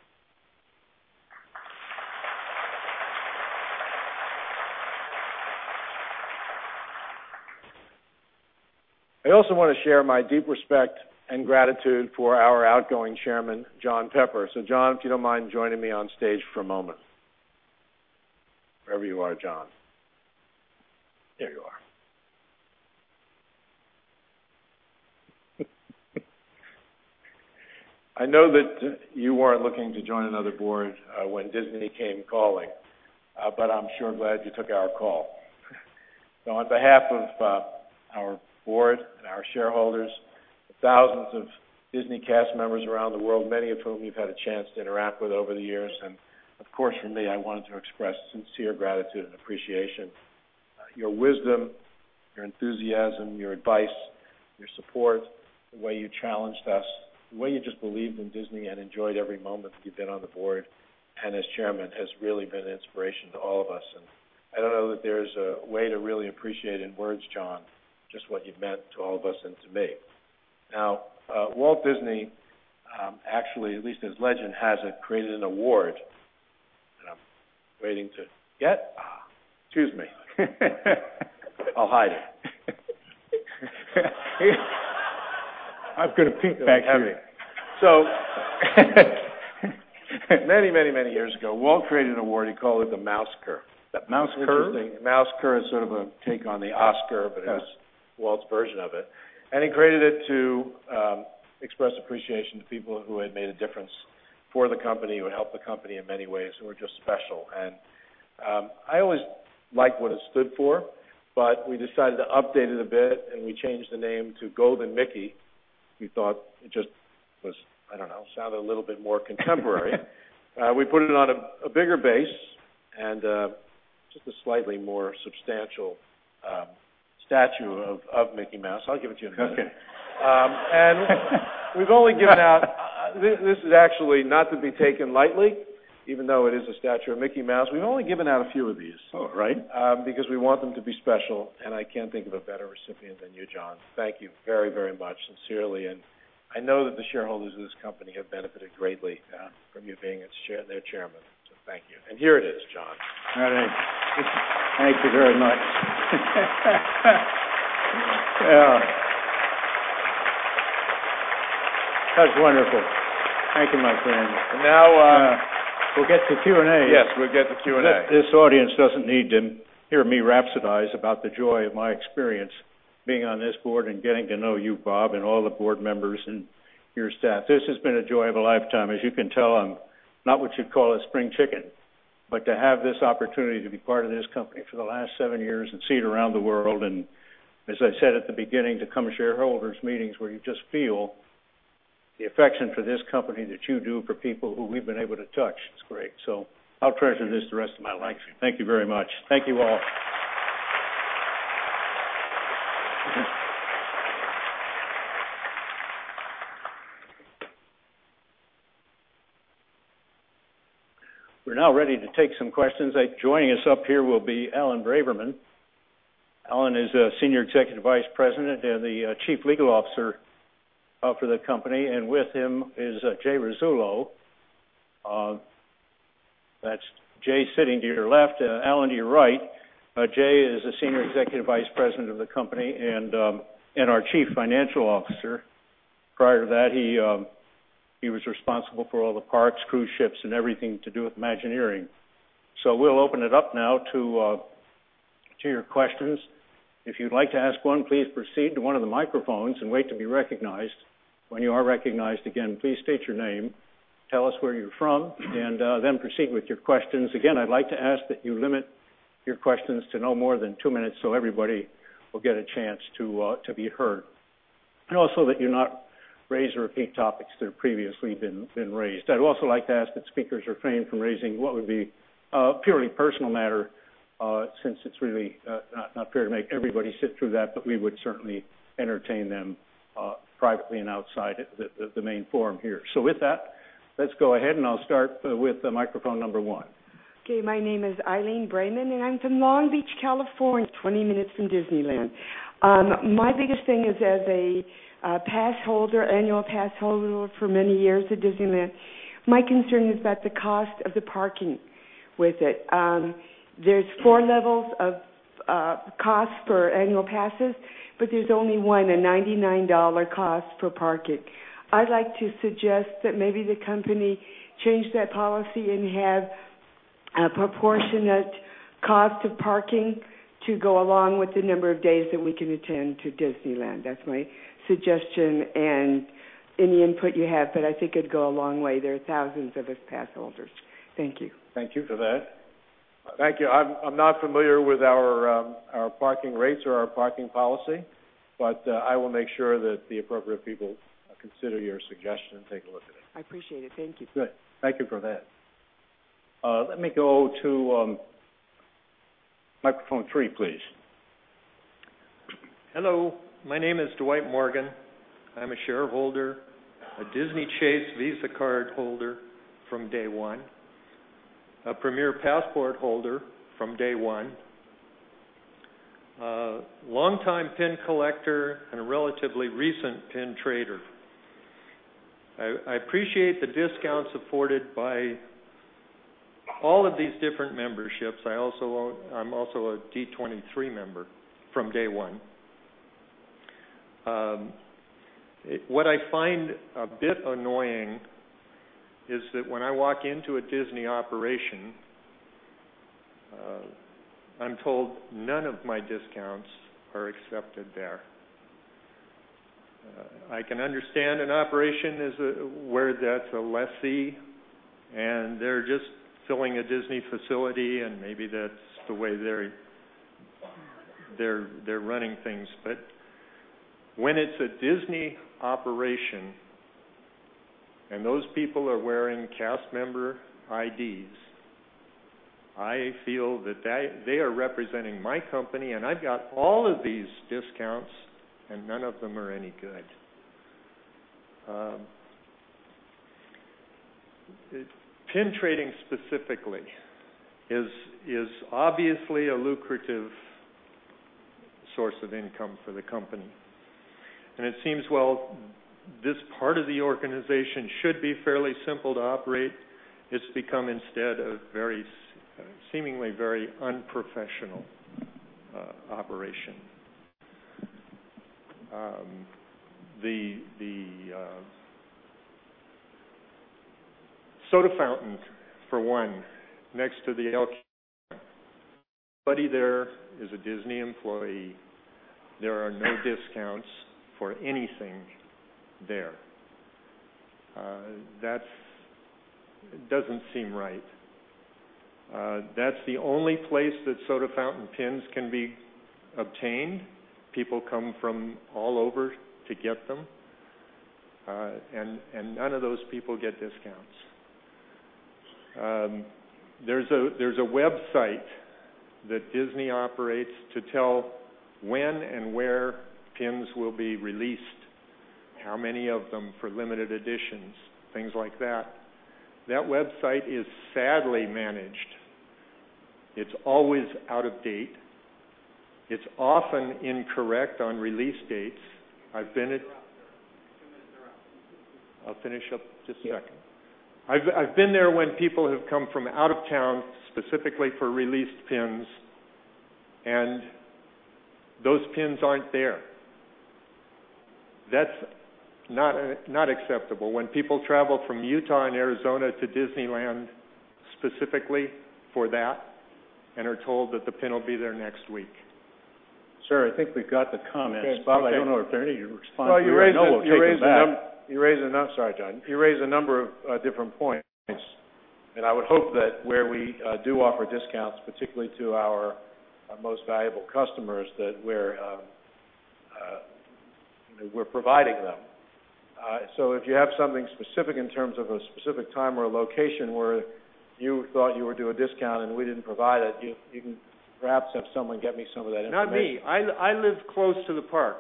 I also want to share my deep respect and gratitude for our outgoing Chairman, John Pepper. John, if you don't mind joining me on stage for a moment. Wherever you are, John. There you are. I know that you weren't looking to join another board when Disney came calling, but I'm sure glad you took our call. On behalf of our board and our shareholders, the thousands of Disney cast members around the world, many of whom you've had a chance to interact with over the years, and of course, for me, I wanted to express sincere gratitude and appreciation. Your wisdom, your enthusiasm, your advice, your support, the way you challenged us, the way you just believed in Disney and enjoyed every moment that you've been on the board and as Chairman has really been an inspiration to all of us. I don't know that there's a way to really appreciate in words, John, just what you've meant to all of us and to me. Walt Disney, actually, at least as legend has it, created an award. I'm waiting to get, excuse me. I'll hide it. I've got a pink backhand. Many, many, many years ago, Walt created an award. He called it the Mousecar. The Mouse Curve? The Mouse Curve is sort of a take on the Oscar, but it was Walt's version of it. He created it to express appreciation to people who had made a difference for the company or helped the company in many ways who were just special. I always liked what it stood for, but we decided to update it a bit, and we changed the name to Golden Mickey. We thought it just was, I don't know, sounded a little bit more contemporary. We put it on a bigger base and just a slightly more substantial statue of Mickey Mouse. I'll give it to you in a minute. That's okay. We have only given out—this is actually not to be taken lightly, even though it is a statue of Mickey Mouse—we have only given out a few of these. Oh, right. Because we want them to be special. I can't think of a better recipient than you, John. Thank you very, very much, sincerely. I know that the shareholders of this company have benefited greatly from you being their Chairman. Thank you. Here it is, John. All right. Thank you very much. That was wonderful. Thank you, my friend. Now we'll get to Q&A. Yes, we will get to Q&A. This audience doesn't need to hear me rhapsodize about the joy of my experience being on this board and getting to know you, Bob, and all the board members and your staff. This has been a joy of a lifetime. As you can tell, I'm not what you'd call a spring chicken, but to have this opportunity to be part of this company for the last seven years and see it around the world. As I said at the beginning, to come to shareholders' meetings where you just feel the affection for this company that you do for people who we've been able to touch, it's great. I'll treasure this the rest of my life. Thank you very much. Thank you all. We're now ready to take some questions. Joining us up here will be Alan Braverman. Alan is a Senior Executive Vice President and the Chief Legal Officer for the company. With him is Jay Rasulo. That's Jay sitting to your left, Alan to your right. Jay is a Senior Executive Vice President of the company and our Chief Financial Officer. Prior to that, he was responsible for all the parks, cruise ships, and everything to do with Imagineering. We'll open it up now to your questions. If you'd like to ask one, please proceed to one of the microphones and wait to be recognized. When you are recognized, please state your name, tell us where you're from, and then proceed with your questions. I'd like to ask that you limit your questions to no more than two minutes so everybody will get a chance to be heard. Also, please do not raise or repeat topics that have previously been raised. I'd also like to ask that speakers refrain from raising what would be a purely personal matter since it's really not fair to make everybody sit through that, but we would certainly entertain them privately and outside the main forum here. With that, let's go ahead and I'll start with the microphone number one. Okay. My name is Eileen Braman, and I'm from Long Beach, California, 20 minutes from Disneyland. My biggest thing is as an annual pass holder for many years at Disneyland, my concern is about the cost of the parking with it. There are four levels of costs for annual passes, but there's only one, a $99 cost for parking. I'd like to suggest that maybe the company change that policy and have a proportionate cost of parking to go along with the number of days that we can attend to Disneyland. That's my suggestion and any input you have, I think it'd go a long way. There are thousands of us pass holders. Thank you. Thank you for that. Thank you. I'm not familiar with our parking rates or our parking policy, but I will make sure that the appropriate people consider your suggestion and take a look at it. I appreciate it. Thank you. Thank you for that. Let me go to microphone three, please. Hello. My name is Dwight Morgan. I'm a shareholder, a Disney Chase Visa card holder from day one, a Premier Passport holder from day one, a longtime pin collector, and a relatively recent pin trader. I appreciate the discounts afforded by all of these different memberships. I'm also a D23 member from day one. What I find a bit annoying is that when I walk into a Disney operation, I'm told none of my discounts are accepted there. I can understand an operation where that's a lessee and they're just filling a Disney facility and maybe that's the way they're running things. When it's a Disney operation and those people are wearing cast member IDs, I feel that they are representing my company and I've got all of these discounts and none of them are any good. Pin trading specifically is obviously a lucrative source of income for the company. It seems this part of the organization should be fairly simple to operate. It's become instead a seemingly very unprofessional operation. The soda fountain, for one, next to the elk buddy there is a Disney employee. There are no discounts for anything there. That doesn't seem right. That's the only place that soda fountain pins can be obtained. People come from all over to get them. None of those people get discounts. There's a website that Disney operates to tell when and where pins will be released, how many of them for limited editions, things like that. That website is sadly managed. It's always out of date. It's often incorrect on release dates. I've been at two minutes to run. I'll finish up just a second. I've been there when people have come from out of town specifically for released pins and those pins aren't there. That's not acceptable. When people travel from Utah and Arizona to Disneyland specifically for that and are told that the pin will be there next week. Sir, I think we've got the comments. Bob, I don't know if there are any responses to those comments. You raised a number. Sorry, John. You raised a number of different points. I would hope that where we do offer discounts, particularly to our most valuable customers, that we're providing them. If you have something specific in terms of a specific time or a location where you thought you would do a discount and we didn't provide it, you can perhaps have someone get me some of that info. Not me. I live close to the park.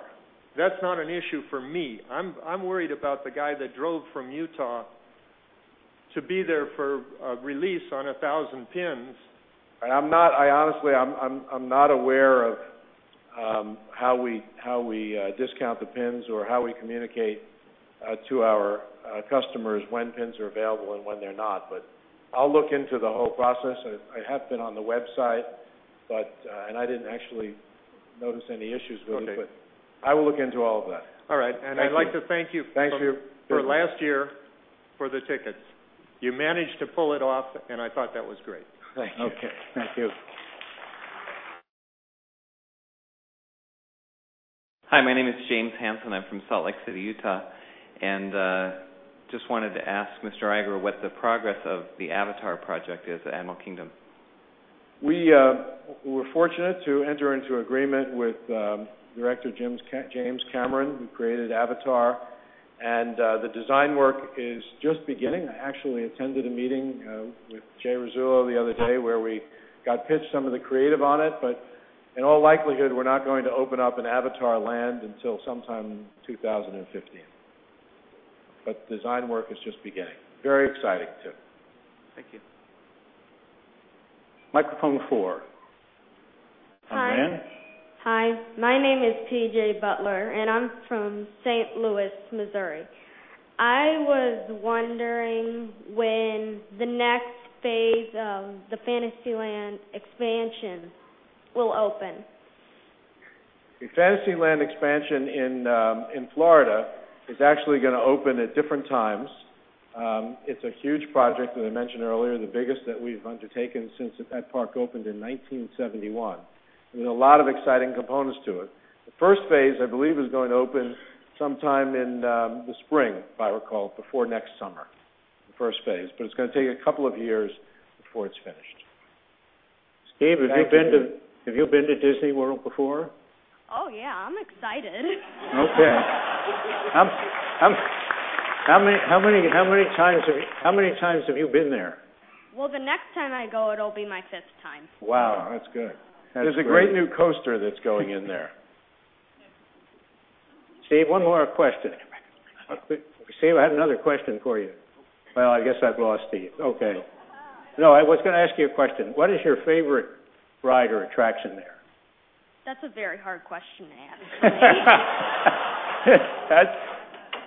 That's not an issue for me. I'm worried about the guy that drove from Utah to be there for a release on 1,000 pins. I'm not. Honestly, I'm not aware of how we discount the pins or how we communicate to our customers when pins are available and when they're not. I'll look into the whole process. I have been on the website, but I didn't actually notice any issues with it. I will look into all of that. All right. I'd like to thank you for last year for the tickets. You managed to pull it off, and I thought that was great. Thank you. Okay, thank you. Hi, my name is James Hansen. I'm from Salt Lake City, Utah. I just wanted to ask Mr. Iger what the progress of the Avatar at Animal Kingdom project is. We were fortunate to enter into agreement with Director James Cameron. We created Avatar. The design work is just beginning. I actually attended a meeting with Jay Rasulo the other day where we got pitched some of the creative on it. In all likelihood, we're not going to open up an Avatar land until sometime in 2015. The design work is just beginning. Very exciting too. Thank you. Microphone four. Hi, ma'am. Hi. My name is PJ Butler, and I'm from St. Louis, Missouri. I was wondering when the next phase of the Fantasyland expansion will open. The Fantasyland expansion in Florida is actually going to open at different times. It's a huge project, as I mentioned earlier, the biggest that we've undertaken since that park opened in 1971. There are a lot of exciting components to it. The first phase, I believe, is going to open sometime in the spring, if I recall, before next summer, the first phase. It's going to take a couple of years before it's finished. Steve, have you been to Walt Disney World before? Oh, yeah, I'm excited. Okay, how many times have you been there? The next time I go, it'll be my fifth time. Wow, that's good. There's a great new coaster that's going in there. Steve, I have another question for you. I guess I've lost Steve. I was going to ask you a question. What is your favorite ride or attraction there? That's a very hard question to ask.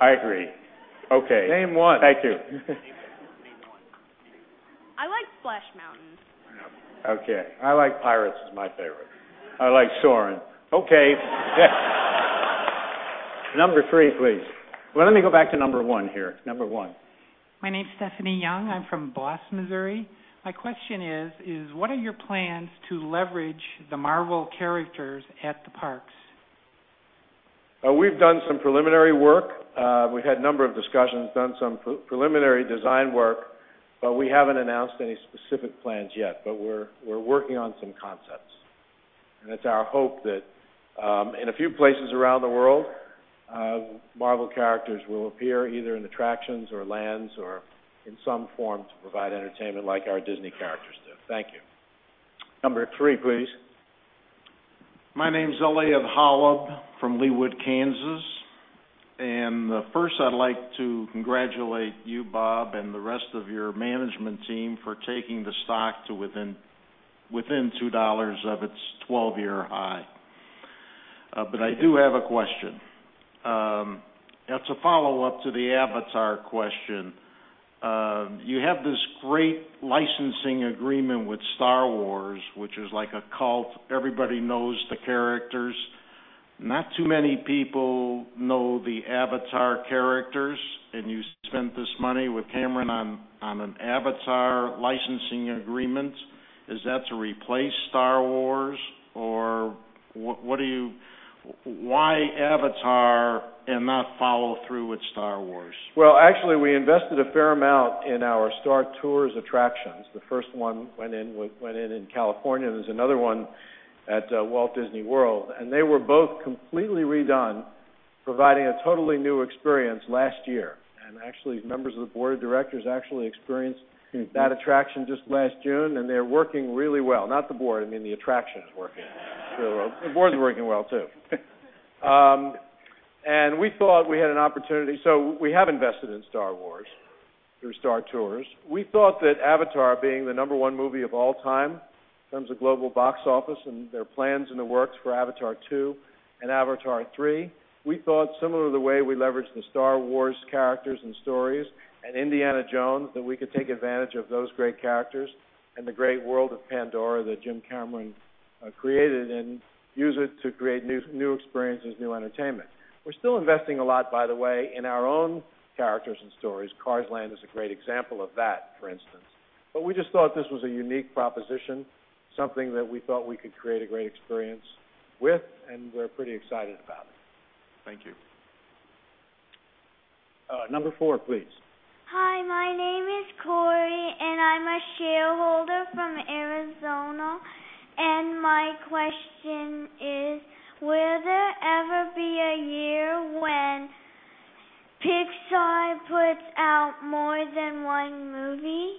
I agree. Okay. Name one. Thank you. Steve, name one. I like Splash Mountain. Okay. I like Pirates as my favorite. I like Soren. Number three, please. Let me go back to number one here. Number one. My name is Stephanie Young. I'm from Boss, Missouri. My question is, what are your plans to leverage the Marvel characters at the parks? We've done some preliminary work. We've had a number of discussions, done some preliminary design work, yet we haven't announced any specific plans. We're working on some concepts, and it's our hope that in a few places around the world, Marvel characters will appear either in attractions or lands or in some form to provide entertainment like our Disney characters do. Thank you. Number three, please. My name is Elia Holub from Leawood, Kansas. First, I'd like to congratulate you, Bob, and the rest of your management team for taking the stock to within $2 of its 12-year high. I do have a question. It's a follow-up to the Avatar question. You have this great licensing agreement with Star Wars, which is like a cult. Everybody knows the characters. Not too many people know the Avatar characters. You spent this money with Cameron on an Avatar licensing agreement. Is that to replace Star Wars? Why Avatar and not follow through with Star Wars? Actually, we invested a fair amount in our Star Tours attractions. The first one went in in California, and there's another one at Walt Disney World. They were both completely redone, providing a totally new experience last year. Members of the board of directors actually experienced that attraction just last June, and they're working really well. Not the board. I mean, the attraction is working really well. The board's working well too. We thought we had an opportunity. We have invested in Star Wars through Star Tours. We thought that Avatar, being the number one movie of all time when it comes to global box office, and there are plans in the works for Avatar 2 and Avatar 3. We thought, similar to the way we leveraged the Star Wars characters and stories and Indiana Jones, that we could take advantage of those great characters and the great world of Pandora that Jim Cameron created and use it to create new experiences, new entertainment. We're still investing a lot, by the way, in our own characters and stories. Cars Land is a great example of that, for instance. We just thought this was a unique proposition, something that we thought we could create a great experience with, and we're pretty excited about it. Thank you. Number four, please. Hi, my name is Corey, and I'm a shareholder from Arizona. My question is, will there ever be a year when Pixar puts out more than one movie?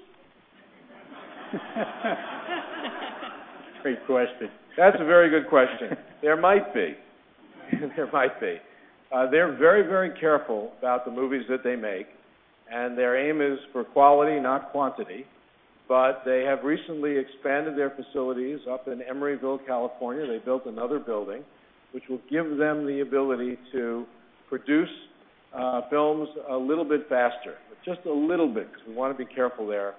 That's a great question. That's a very good question. There might be. They are very, very careful about the movies that they make, and their aim is for quality, not quantity. They have recently expanded their facilities up in Emeryville, California. They built another building, which will give them the ability to produce films a little bit faster, but just a little bit because we want to be careful there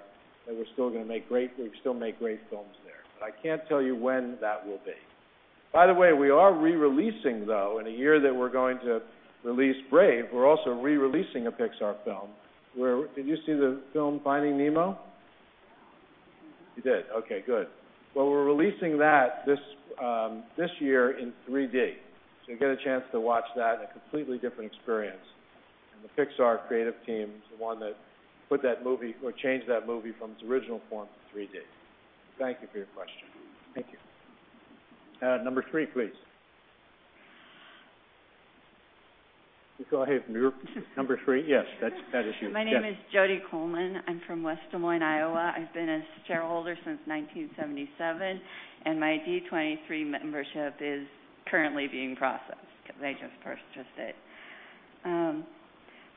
that we're still going to make great, we still make great films there. I can't tell you when that will be. By the way, we are re-releasing, though, in a year that we're going to release Brave, we're also re-releasing a Pixar film. Did you see the film Finding Nemo? You did? Okay, good. We are releasing that this year in 3D. You get a chance to watch that in a completely different experience, and the Pixar creative team is the one that put that movie or changed that movie from its original form to 3D. Thank you for your question. Thank you. Number three, please. You call him number three? Yes, that is you. My name is Jody Coleman. I'm from West Des Moines, Iowa. I've been a shareholder since 1977. My D23 membership is currently being processed because I just purchased it.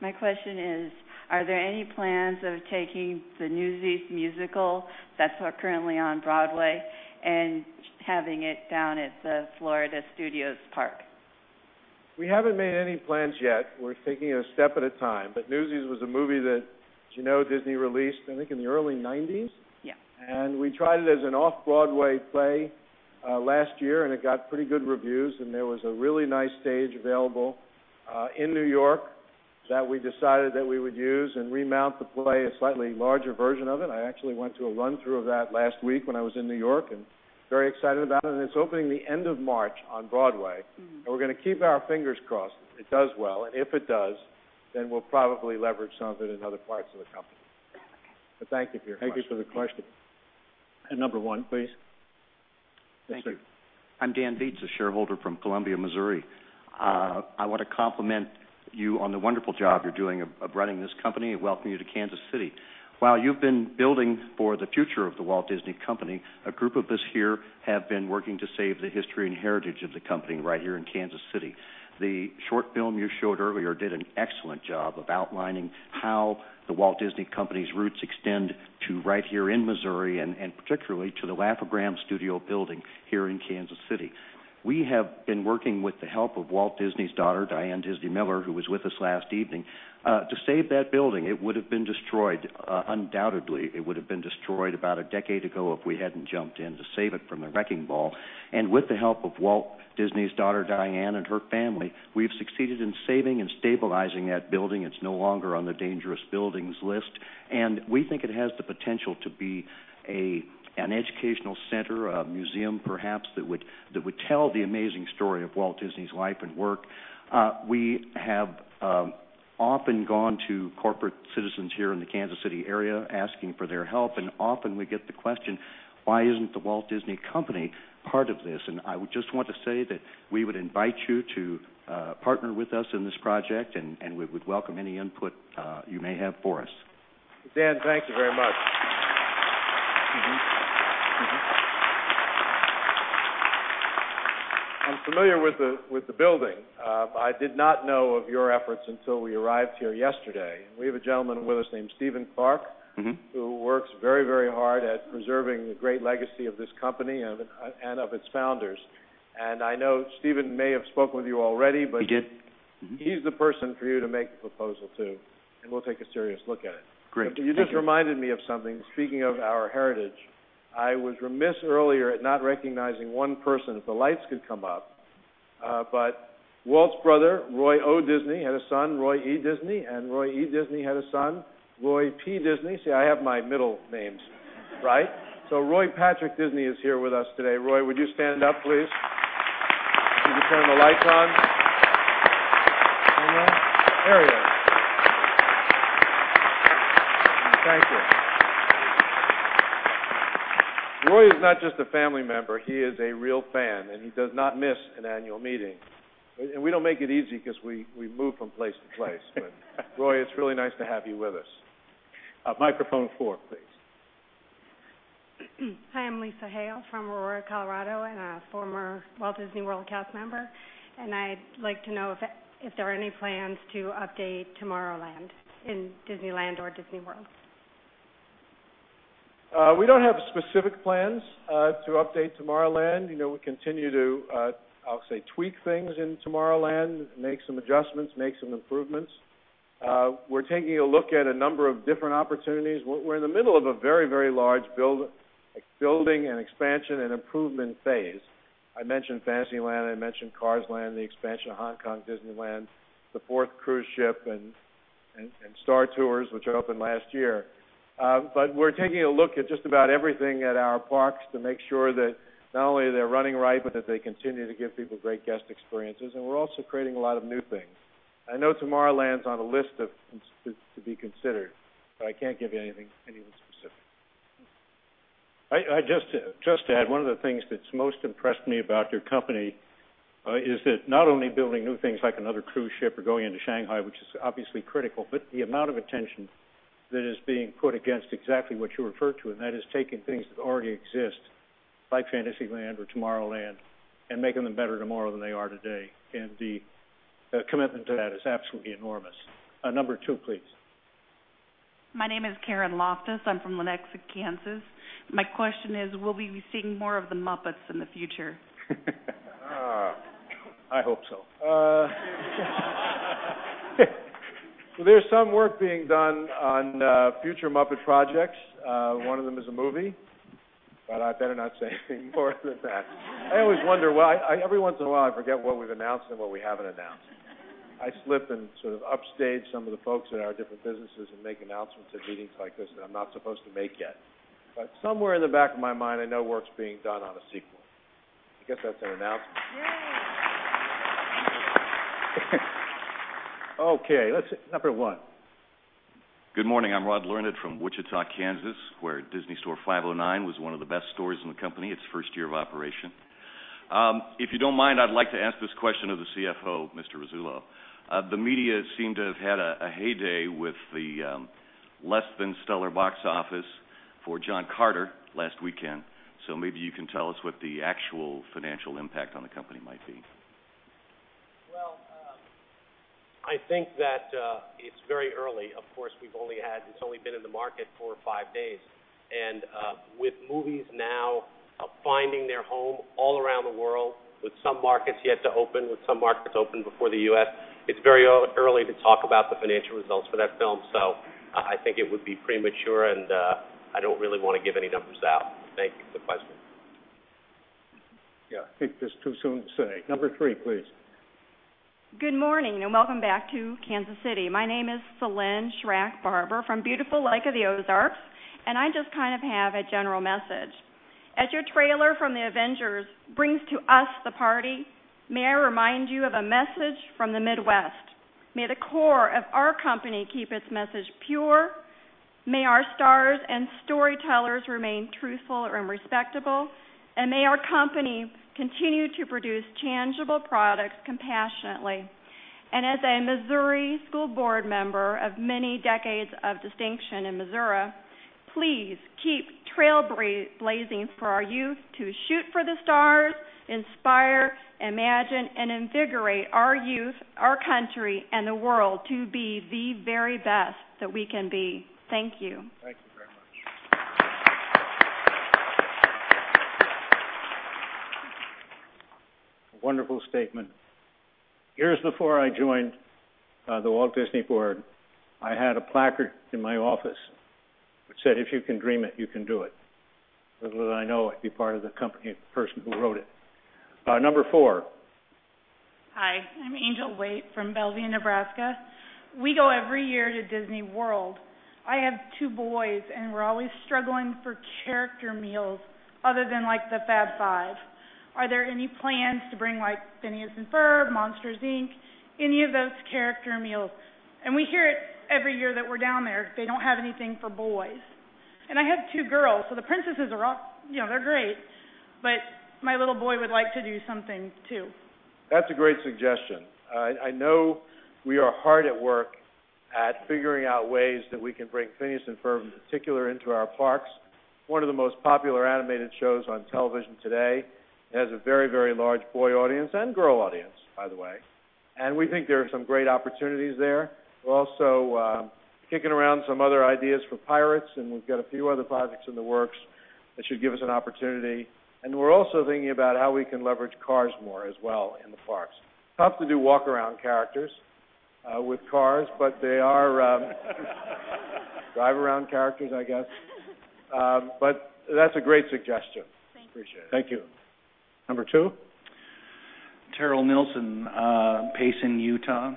My question is, are there any plans of taking the Newsies musical that's currently on Broadway and having it down at the Florida Studios park? We haven't made any plans yet. We're thinking of a step at a time. Newsies was a movie that, as you know, Disney released I think in the early 1990s. Yeah. We tried it as an off-Broadway play last year, and it got pretty good reviews. There was a really nice stage available in New York that we decided we would use and remount the play, a slightly larger version of it. I actually went to a run-through of that last week when I was in New York and am very excited about it. It's opening the end of March on Broadway. We are going to keep our fingers crossed if it does well. If it does, then we'll probably leverage some of it in other parts of the company. Thank you for your question. Thank you for the question. Number one, please. Thank you. I'm Dan Leits, a shareholder from Columbia, Missouri. I want to compliment you on the wonderful job you're doing of running this company and welcoming you to Kansas City. While you've been building for the future of The Walt Disney Company, a group of us here have been working to save the history and heritage of the company right here in Kansas City. The short film you showed earlier did an excellent job of outlining how The Walt Disney Company's roots extend to right here in Missouri and particularly to the Wafflegram Studio building here in Kansas City. We have been working with the help of Walt Disney's daughter, Diane Disney Miller, who was with us last evening, to save that building. It would have been destroyed, undoubtedly. It would have been destroyed about a decade ago if we hadn't jumped in to save it from the wrecking ball. With the help of Walt Disney's daughter, Diane, and her family, we've succeeded in saving and stabilizing that building. It's no longer on the dangerous buildings list. We think it has the potential to be an educational center, a museum perhaps, that would tell the amazing story of Walt Disney's life and work. We have often gone to corporate citizens here in the Kansas City area asking for their help, and often we get the question, "Why isn't The Walt Disney Company part of this?" I would just want to say that we would invite you to partner with us in this project, and we would welcome any input you may have for us. Dan, thank you very much. Excuse me. I'm familiar with the building. I did not know of your efforts until we arrived here yesterday. We have a gentleman with us named Stephen Clark who works very, very hard at preserving the great legacy of this company and of its founders. I know Stephen may have spoken with you already. He did. He's the person for you to make the proposal to, and we'll take a serious look at it. Great. You just reminded me of something. Speaking of our heritage, I was remiss earlier at not recognizing one person. If the lights could come up. Walt's brother, Roy O. Disney, had a son, Roy E. Disney, and Roy E. Disney had a son, Roy P. Disney. See, I have my middle names right? So Roy Patrick Disney is here with us today. Roy, would you stand up, please? Did you turn the lights on? Roy is not just a family member. He is a real fan, and he does not miss an annual meeting. We don't make it easy because we move from place to place. Roy, it's really nice to have you with us. Microphone 4, please. Hi, I'm Lisa Hale from Aurora, Colorado, and a former Walt Disney World cast member. I'd like to know if there are any plans to update Tomorrowland in Disneyland or Disney World. We don't have specific plans to update Tomorrowland. We continue to, I'll say, tweak things in Tomorrowland, make some adjustments, make some improvements. We're taking a look at a number of different opportunities. We're in the middle of a very, very large building and expansion and improvement phase. I mentioned Fantasyland, I mentioned Cars Land, the expansion of Hong Kong Disneyland, the fourth cruise ship, and Star Tours, which opened last year. We're taking a look at just about everything at our parks to make sure that not only are they running right, but that they continue to give people great guest experiences. We're also creating a lot of new things. I know Tomorrowland's on a list of things to be considered, but I can't give you anything specific. I just had one of the things that's most impressed me about your company is that not only building new things like another cruise ship or going into Shanghai, which is obviously critical, but the amount of attention that is being put against exactly what you referred to, that is taking things that already exist, like Fantasyland or Tomorrowland, and making them better tomorrow than they are today. The commitment to that is absolutely enormous. Number two, please. My name is Karen Loftus. I'm from Lenexa, Kansas. My question is, will we be seeing more of the Muppets in the future? I hope so. There's some work being done on future Muppet projects. One of them is a movie, but I better not say anything more than that. I always wonder, every once in a while, I forget what we've announced and what we haven't announced. I slip and sort of upstage some of the folks in our different businesses and make announcements at meetings like this that I'm not supposed to make yet. Somewhere in the back of my mind, I know work's being done on a sequel. I guess that's an announcement. Okay. Let's see. Number one. Good morning. I'm Rod Learned from Wichita, Kansas, where Disney Store 509 was one of the best stories in the company its first year of operation. If you don't mind, I'd like to ask this question of the CFO, Mr. Rasulo. The media seemed to have had a heyday with the less-than-stellar box office for John Carter last weekend. Maybe you can tell us what the actual financial impact on the company might be. I think that it's very early. Of course, we've only had, it's only been in the market four or five days. With movies now finding their home all around the world, with some markets yet to open, with some markets open before the U.S., it's very early to talk about the financial results for that film. I think it would be premature, and I don't really want to give any numbers out. Thank you for the question. Yeah, I think it's too soon to say. Number three, please. Good morning and welcome back to Kansas City. My name is Celine Schrankbarber from beautiful Lake of the Ozarks, and I just have a general message. As your trailer from The Avengers brings to us the party, may I remind you of a message from the Midwest. May the core of our company keep its message pure. May our stars and storytellers remain truthful and respectable, and may our company continue to produce tangible products compassionately. As a Missouri school board member of many decades of distinction in Missouri, please keep trailblazing for our youth to shoot for the stars, inspire, imagine, and invigorate our youth, our country, and the world to be the very best that we can be. Thank you. Thank you very much. Wonderful statement. Years before I joined The Walt Disney Company Board, I had a placard in my office that said, "If you can dream it, you can do it." Little did I know I'd be part of the company of the person who wrote it. Number four. Hi, I'm Angel Waite from Bellevue, Nebraska. We go every year to Walt Disney World. I have two boys, and we're always struggling for character meals other than like the Fab Five. Are there any plans to bring like Phineas and Ferb, Monsters, Inc.? Any of those character meals? We hear it every year that we're down there. They don't have anything for boys. I have two girls, so the princesses are all, you know, they're great. My little boy would like to do something too. That's a great suggestion. I know we are hard at work at figuring out ways that we can bring Phineas and Ferb, in particular, into our parks. One of the most popular animated shows on television today has a very, very large boy audience and girl audience, by the way. We think there are some great opportunities there. We're also kicking around some other ideas for pirates, and we've got a few other projects in the works that should give us an opportunity. We're also thinking about how we can leverage Cars more as well in the parks. Tough to do walk-around characters with Cars, but they are drive-around characters, I guess. That's a great suggestion. Thank you. Appreciate it. Thank you. Number two. Terrell Nelson, Payson, Utah,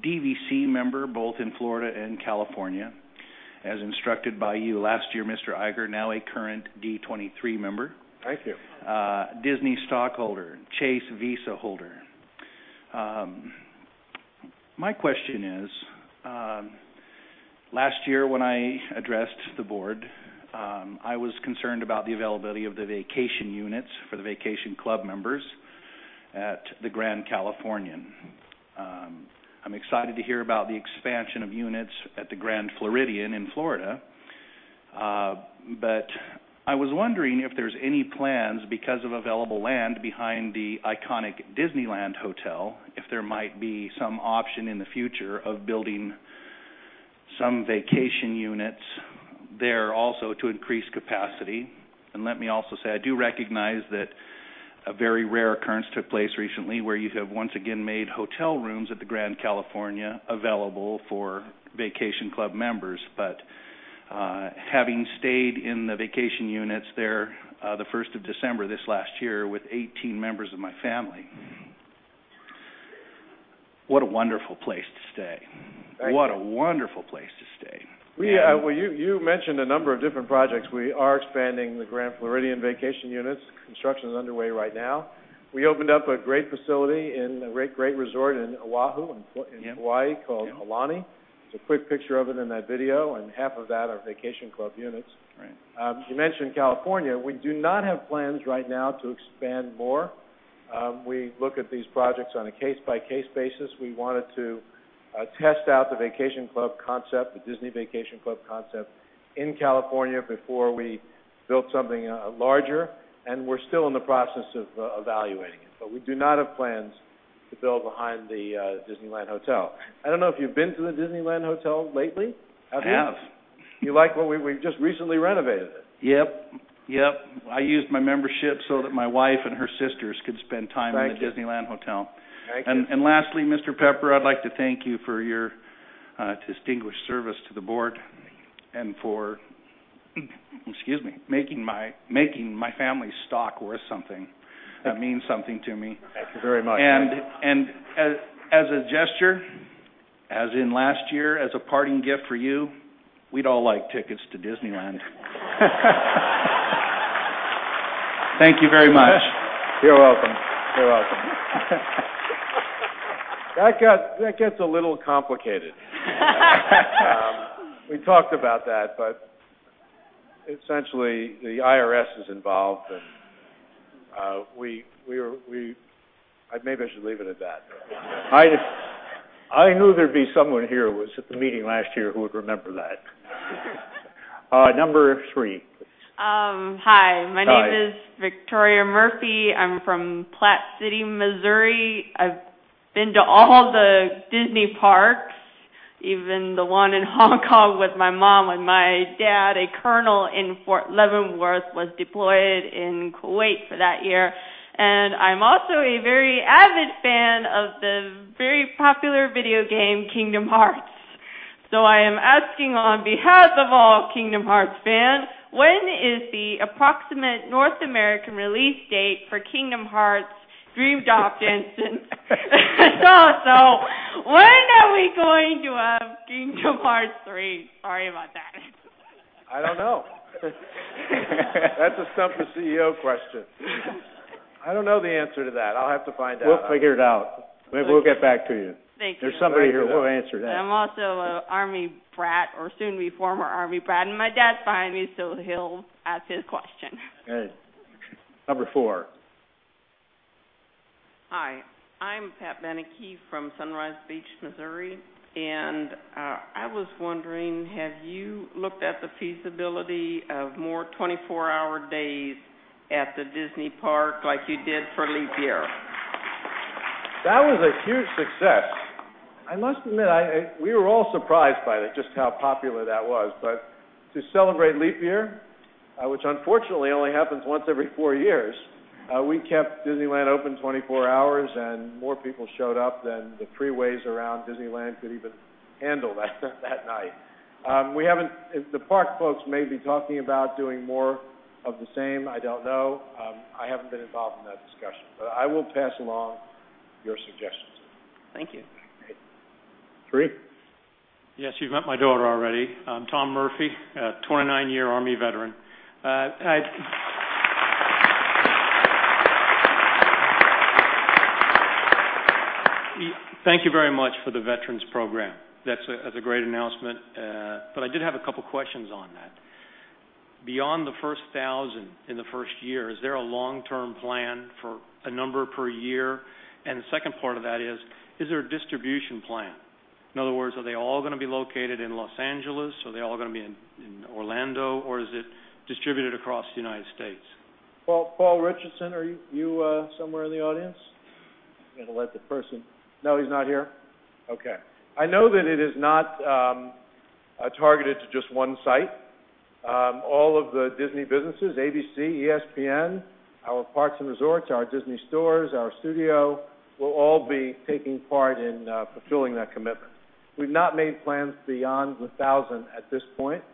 DVC member both in Florida and California. As instructed by you last year, Mr. Iger, now a current D23 member. Thank you. Disney stockholder, Chase Visa holder. My question is, last year when I addressed the board, I was concerned about the availability of the vacation units for the vacation club members at the Grand Californian. I'm excited to hear about the expansion of units at the Grand Floridian in Florida. I was wondering if there's any plans because of available land behind the iconic Disneyland Hotel, if there might be some option in the future of building some vacation units there also to increase capacity. I do recognize that a very rare occurrence took place recently where you have once again made hotel rooms at the Grand Californian available for vacation club members. Having stayed in the vacation units there the 1st of December this last year with 18 members of my family, what a wonderful place to stay. What a wonderful place to stay. You mentioned a number of different projects. We are expanding the Grand Floridian vacation units. Construction is underway right now. We opened up a great facility in a great resort in Oahu in Hawaii called Aulani. A quick picture of it in that video, and half of that are vacation club units. You mentioned California. We do not have plans right now to expand more. We look at these projects on a case-by-case basis. We wanted to test out the vacation club concept, the Disney vacation club concept in California before we built something larger. We're still in the process of evaluating it. We do not have plans to build behind the Disneyland Hotel. I don't know if you've been to the Disneyland Hotel lately. I have. You like where we've just recently renovated it? Yep. I used my membership so that my wife and her sisters could spend time in the Disneyland Hotel. Thank you. Mr. Pepper, I'd like to thank you for your distinguished service to the board and for making my family's stock worth something. That means something to me. Thank you very much. As a gesture, as in last year, as a parting gift for you, we'd all like tickets to Disneyland. Thank you very much. You're welcome. That gets a little complicated. We talked about that, but essentially, the IRS is involved. Maybe I should leave it at that. I knew there'd be someone here who was at the meeting last year who would remember that. Number three. Hi. My name is Victoria Murphy. I'm from Platte City, Missouri. I've been to all the Disney parks, even the one in Hong Kong with my mom and my dad. A colonel in Fort Leavenworth was deployed in Kuwait for that year. I'm also a very avid fan of the very popular video game, Kingdom Hearts. I am asking on behalf of all Kingdom Hearts fans, when is the approximate North American release date for Kingdom Hearts: Dream Drop Distance? When are we going to have Kingdom Hearts 3? Sorry about that. I don't know. That's a sumptuous CEO question. I don't know the answer to that. I'll have to find out. will figure it out. We will get back to you. Thank you so much. There's somebody here who will answer that. I'm also an Army brat or soon-to-be former Army brat, and my dad's fine. He'll ask his question. Okay. Number four. Hi. I'm Pat Benecke from Sunrise Beach, Missouri. I was wondering, have you looked at the feasibility of more 24-hour days at the Disney Park like you did for Leap Year? That was a huge success. I must admit, we were all surprised by just how popular that was. To celebrate Leap Year, which unfortunately only happens once every four years, we kept Disneyland open 24 hours, and more people showed up than the freeways around Disneyland could even handle that night. The park folks may be talking about doing more of the same. I don't know. I haven't been involved in that discussion. I will pass along your suggestions. Thank you. Three. Yes, you've met my daughter already. Tom Murphy, a 29-year Army veteran. Thank you very much for the veterans program. That's a great announcement. I did have a couple of questions on that. Beyond the first 1,000 in the first year, is there a long-term plan for a number per year? The second part of that is, is there a distribution plan? In other words, are they all going to be located in Los Angeles? Are they all going to be in Orlando? Is it distributed across the United States? Paul Richardson, are you somewhere in the audience? I'm going to let the person. No, he's not here. Okay. I know that it is not targeted to just one site. All of the Disney businesses, ABC, ESPN, our parks and resorts, our Disney stores, our studio will all be taking part in fulfilling that commitment. We've not made plans beyond the 1,000 at this point.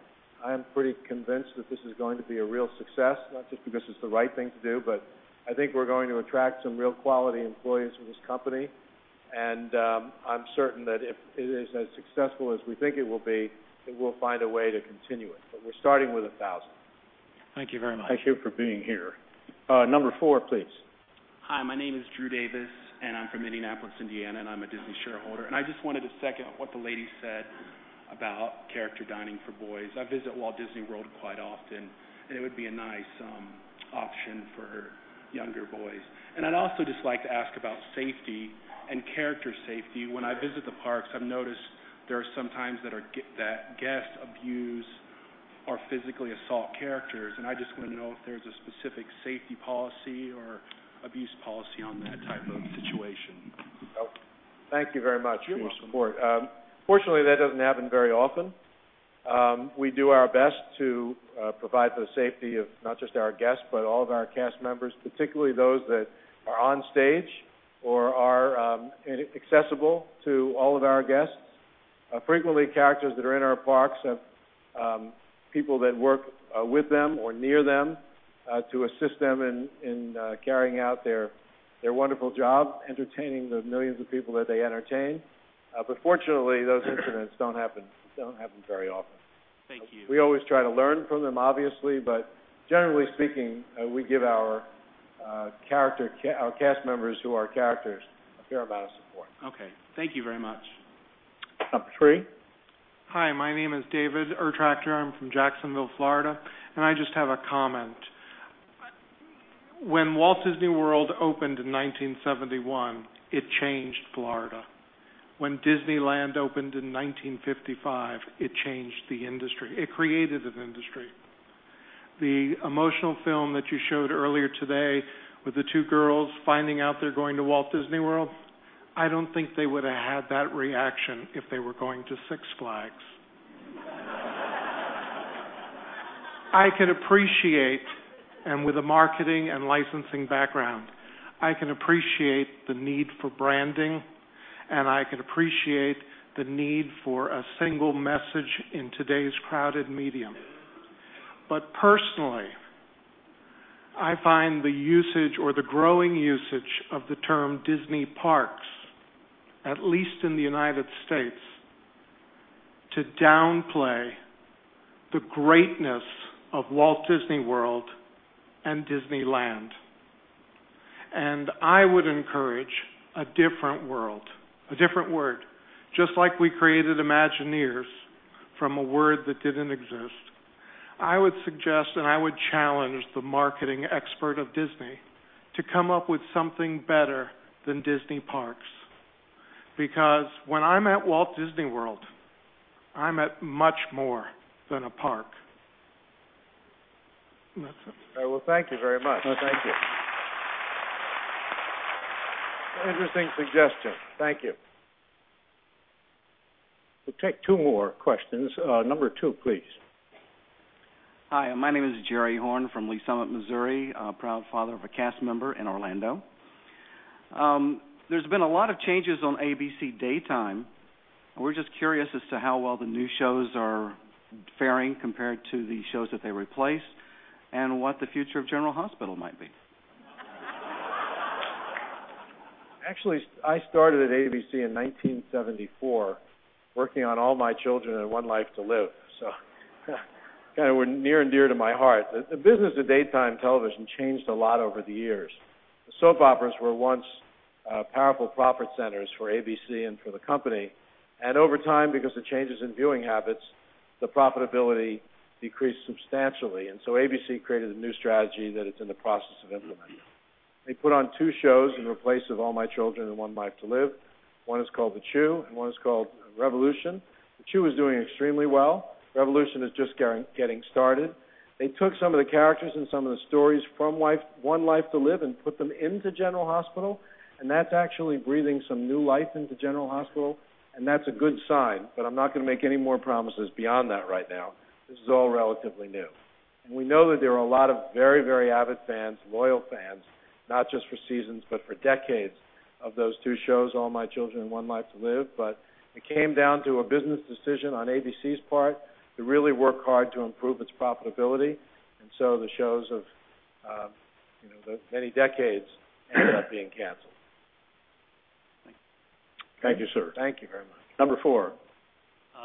I am pretty convinced that this is going to be a real success, not just because it's the right thing to do, but I think we're going to attract some real quality employees with this company. I'm certain that if it is as successful as we think it will be, it will find a way to continue it. We're starting with 1,000. Thank you very much. Thank you for being here. Number four, please. Hi, my name is Drew Davis, and I'm from Indianapolis, Indiana, and I'm a Disney shareholder. I just wanted to second what the lady said about character dining for boys. I visit Walt Disney World quite often, and it would be a nice option for younger boys. I'd also just like to ask about safety and character safety. When I visit the parks, I've noticed there are sometimes that guests abuse or physically assault characters. I just want to know if there's a specific safety policy or abuse policy on that type of situation. Thank you very much for your support. Fortunately, that doesn't happen very often. We do our best to provide the safety of not just our guests, but all of our cast members, particularly those that are on stage or are accessible to all of our guests. Frequently, characters that are in our parks have people that work with them or near them to assist them in carrying out their wonderful job, entertaining the millions of people that they entertain. Fortunately, those incidents don't happen very often. Thank you. We always try to learn from them, obviously. Generally speaking, we give our cast members who are characters a fair amount of support. Okay, thank you very much. Number three. Hi, my name is David Ertractor. I'm from Jacksonville, Florida. I just have a comment. When Walt Disney World opened in 1971, it changed Florida. When Disneyland opened in 1955, it changed the industry. It created an industry. The emotional film that you showed earlier today with the two girls finding out they're going to Walt Disney World, I don't think they would have had that reaction if they were going to Six Flags. I can appreciate, and with a marketing and licensing background, I can appreciate the need for branding, and I can appreciate the need for a single message in today's crowded medium. Personally, I find the usage or the growing usage of the term Disney parks, at least in the United States, to downplay the greatness of Walt Disney World and Disneyland. I would encourage a different word. Just like we created Imagineers from a word that didn't exist, I would suggest and I would challenge the marketing expert of Disney to come up with something better than Disney parks. When I'm at Walt Disney World, I'm at much more than a park. All right. Thank you very much. No, thank you. Interesting suggestion. Thank you. will take two more questions. Number two, please. Hi, my name is Jerry Horn from Lee's Summit, Missouri, proud father of a cast member in Orlando. There's been a lot of changes on ABC daytime. We're just curious as to how well the new shows are faring compared to the shows that they replace, and what the future of General Hospital might be. Actually, I started at ABC in 1974, working on All My Children and One Life to Live, so kind of near and dear to my heart. The business of daytime television changed a lot over the years. The soap operas were once powerful profit centers for ABC and for the company. Over time, because of changes in viewing habits, the profitability decreased substantially. ABC created a new strategy that it's in the process of implementing. They put on two shows in place of All My Children and One Life to Live. One is called The Chew, and one is called Revolution. The Chew is doing extremely well. Revolution is just getting started. They took some of the characters and some of the stories from One Life to Live and put them into General Hospital. That's actually breathing some new life into General Hospital, and that's a good sign. I'm not going to make any more promises beyond that right now. This is all relatively new. We know that there are a lot of very, very avid fans, loyal fans, not just for seasons, but for decades of those two shows, All My Children and One Life to Live. It came down to a business decision on ABC's part to really work hard to improve its profitability, and so the shows of many decades ended up being canceled. Thank you. Thank you, sir. Thank you very much. Number four.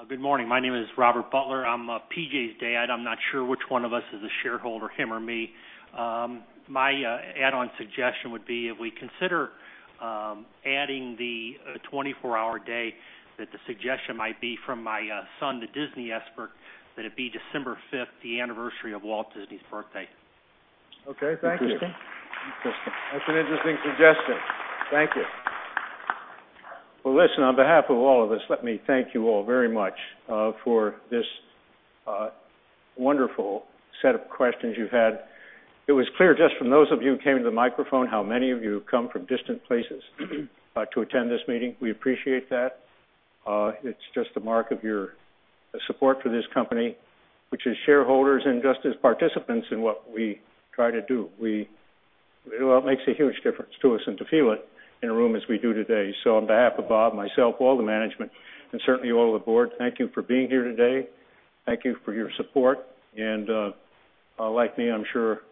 Good morning. My name is Robert Butler. I'm PJ's dad. I'm not sure which one of us is a shareholder, him or me. My add-on suggestion would be if we consider adding the 24-hour day, that the suggestion might be from my son, the Disney expert, that it be December 5, the anniversary of Walt Disney's birthday. Okay. Thank you. Interesting. That's an interesting suggestion. Thank you. On behalf of all of us, let me thank you all very much for this wonderful set of questions you've had. It was clear just from those of you who came to the microphone how many of you have come from distant places to attend this meeting. We appreciate that. It's just a mark of your support for this company, which is shareholders and just as participants in what we try to do. It makes a huge difference to us and to feel it in a room as we do today. On behalf of Bob, myself, all the management, and certainly all of the board, thank you for being here today. Thank you for your support. Like me, I'm sure.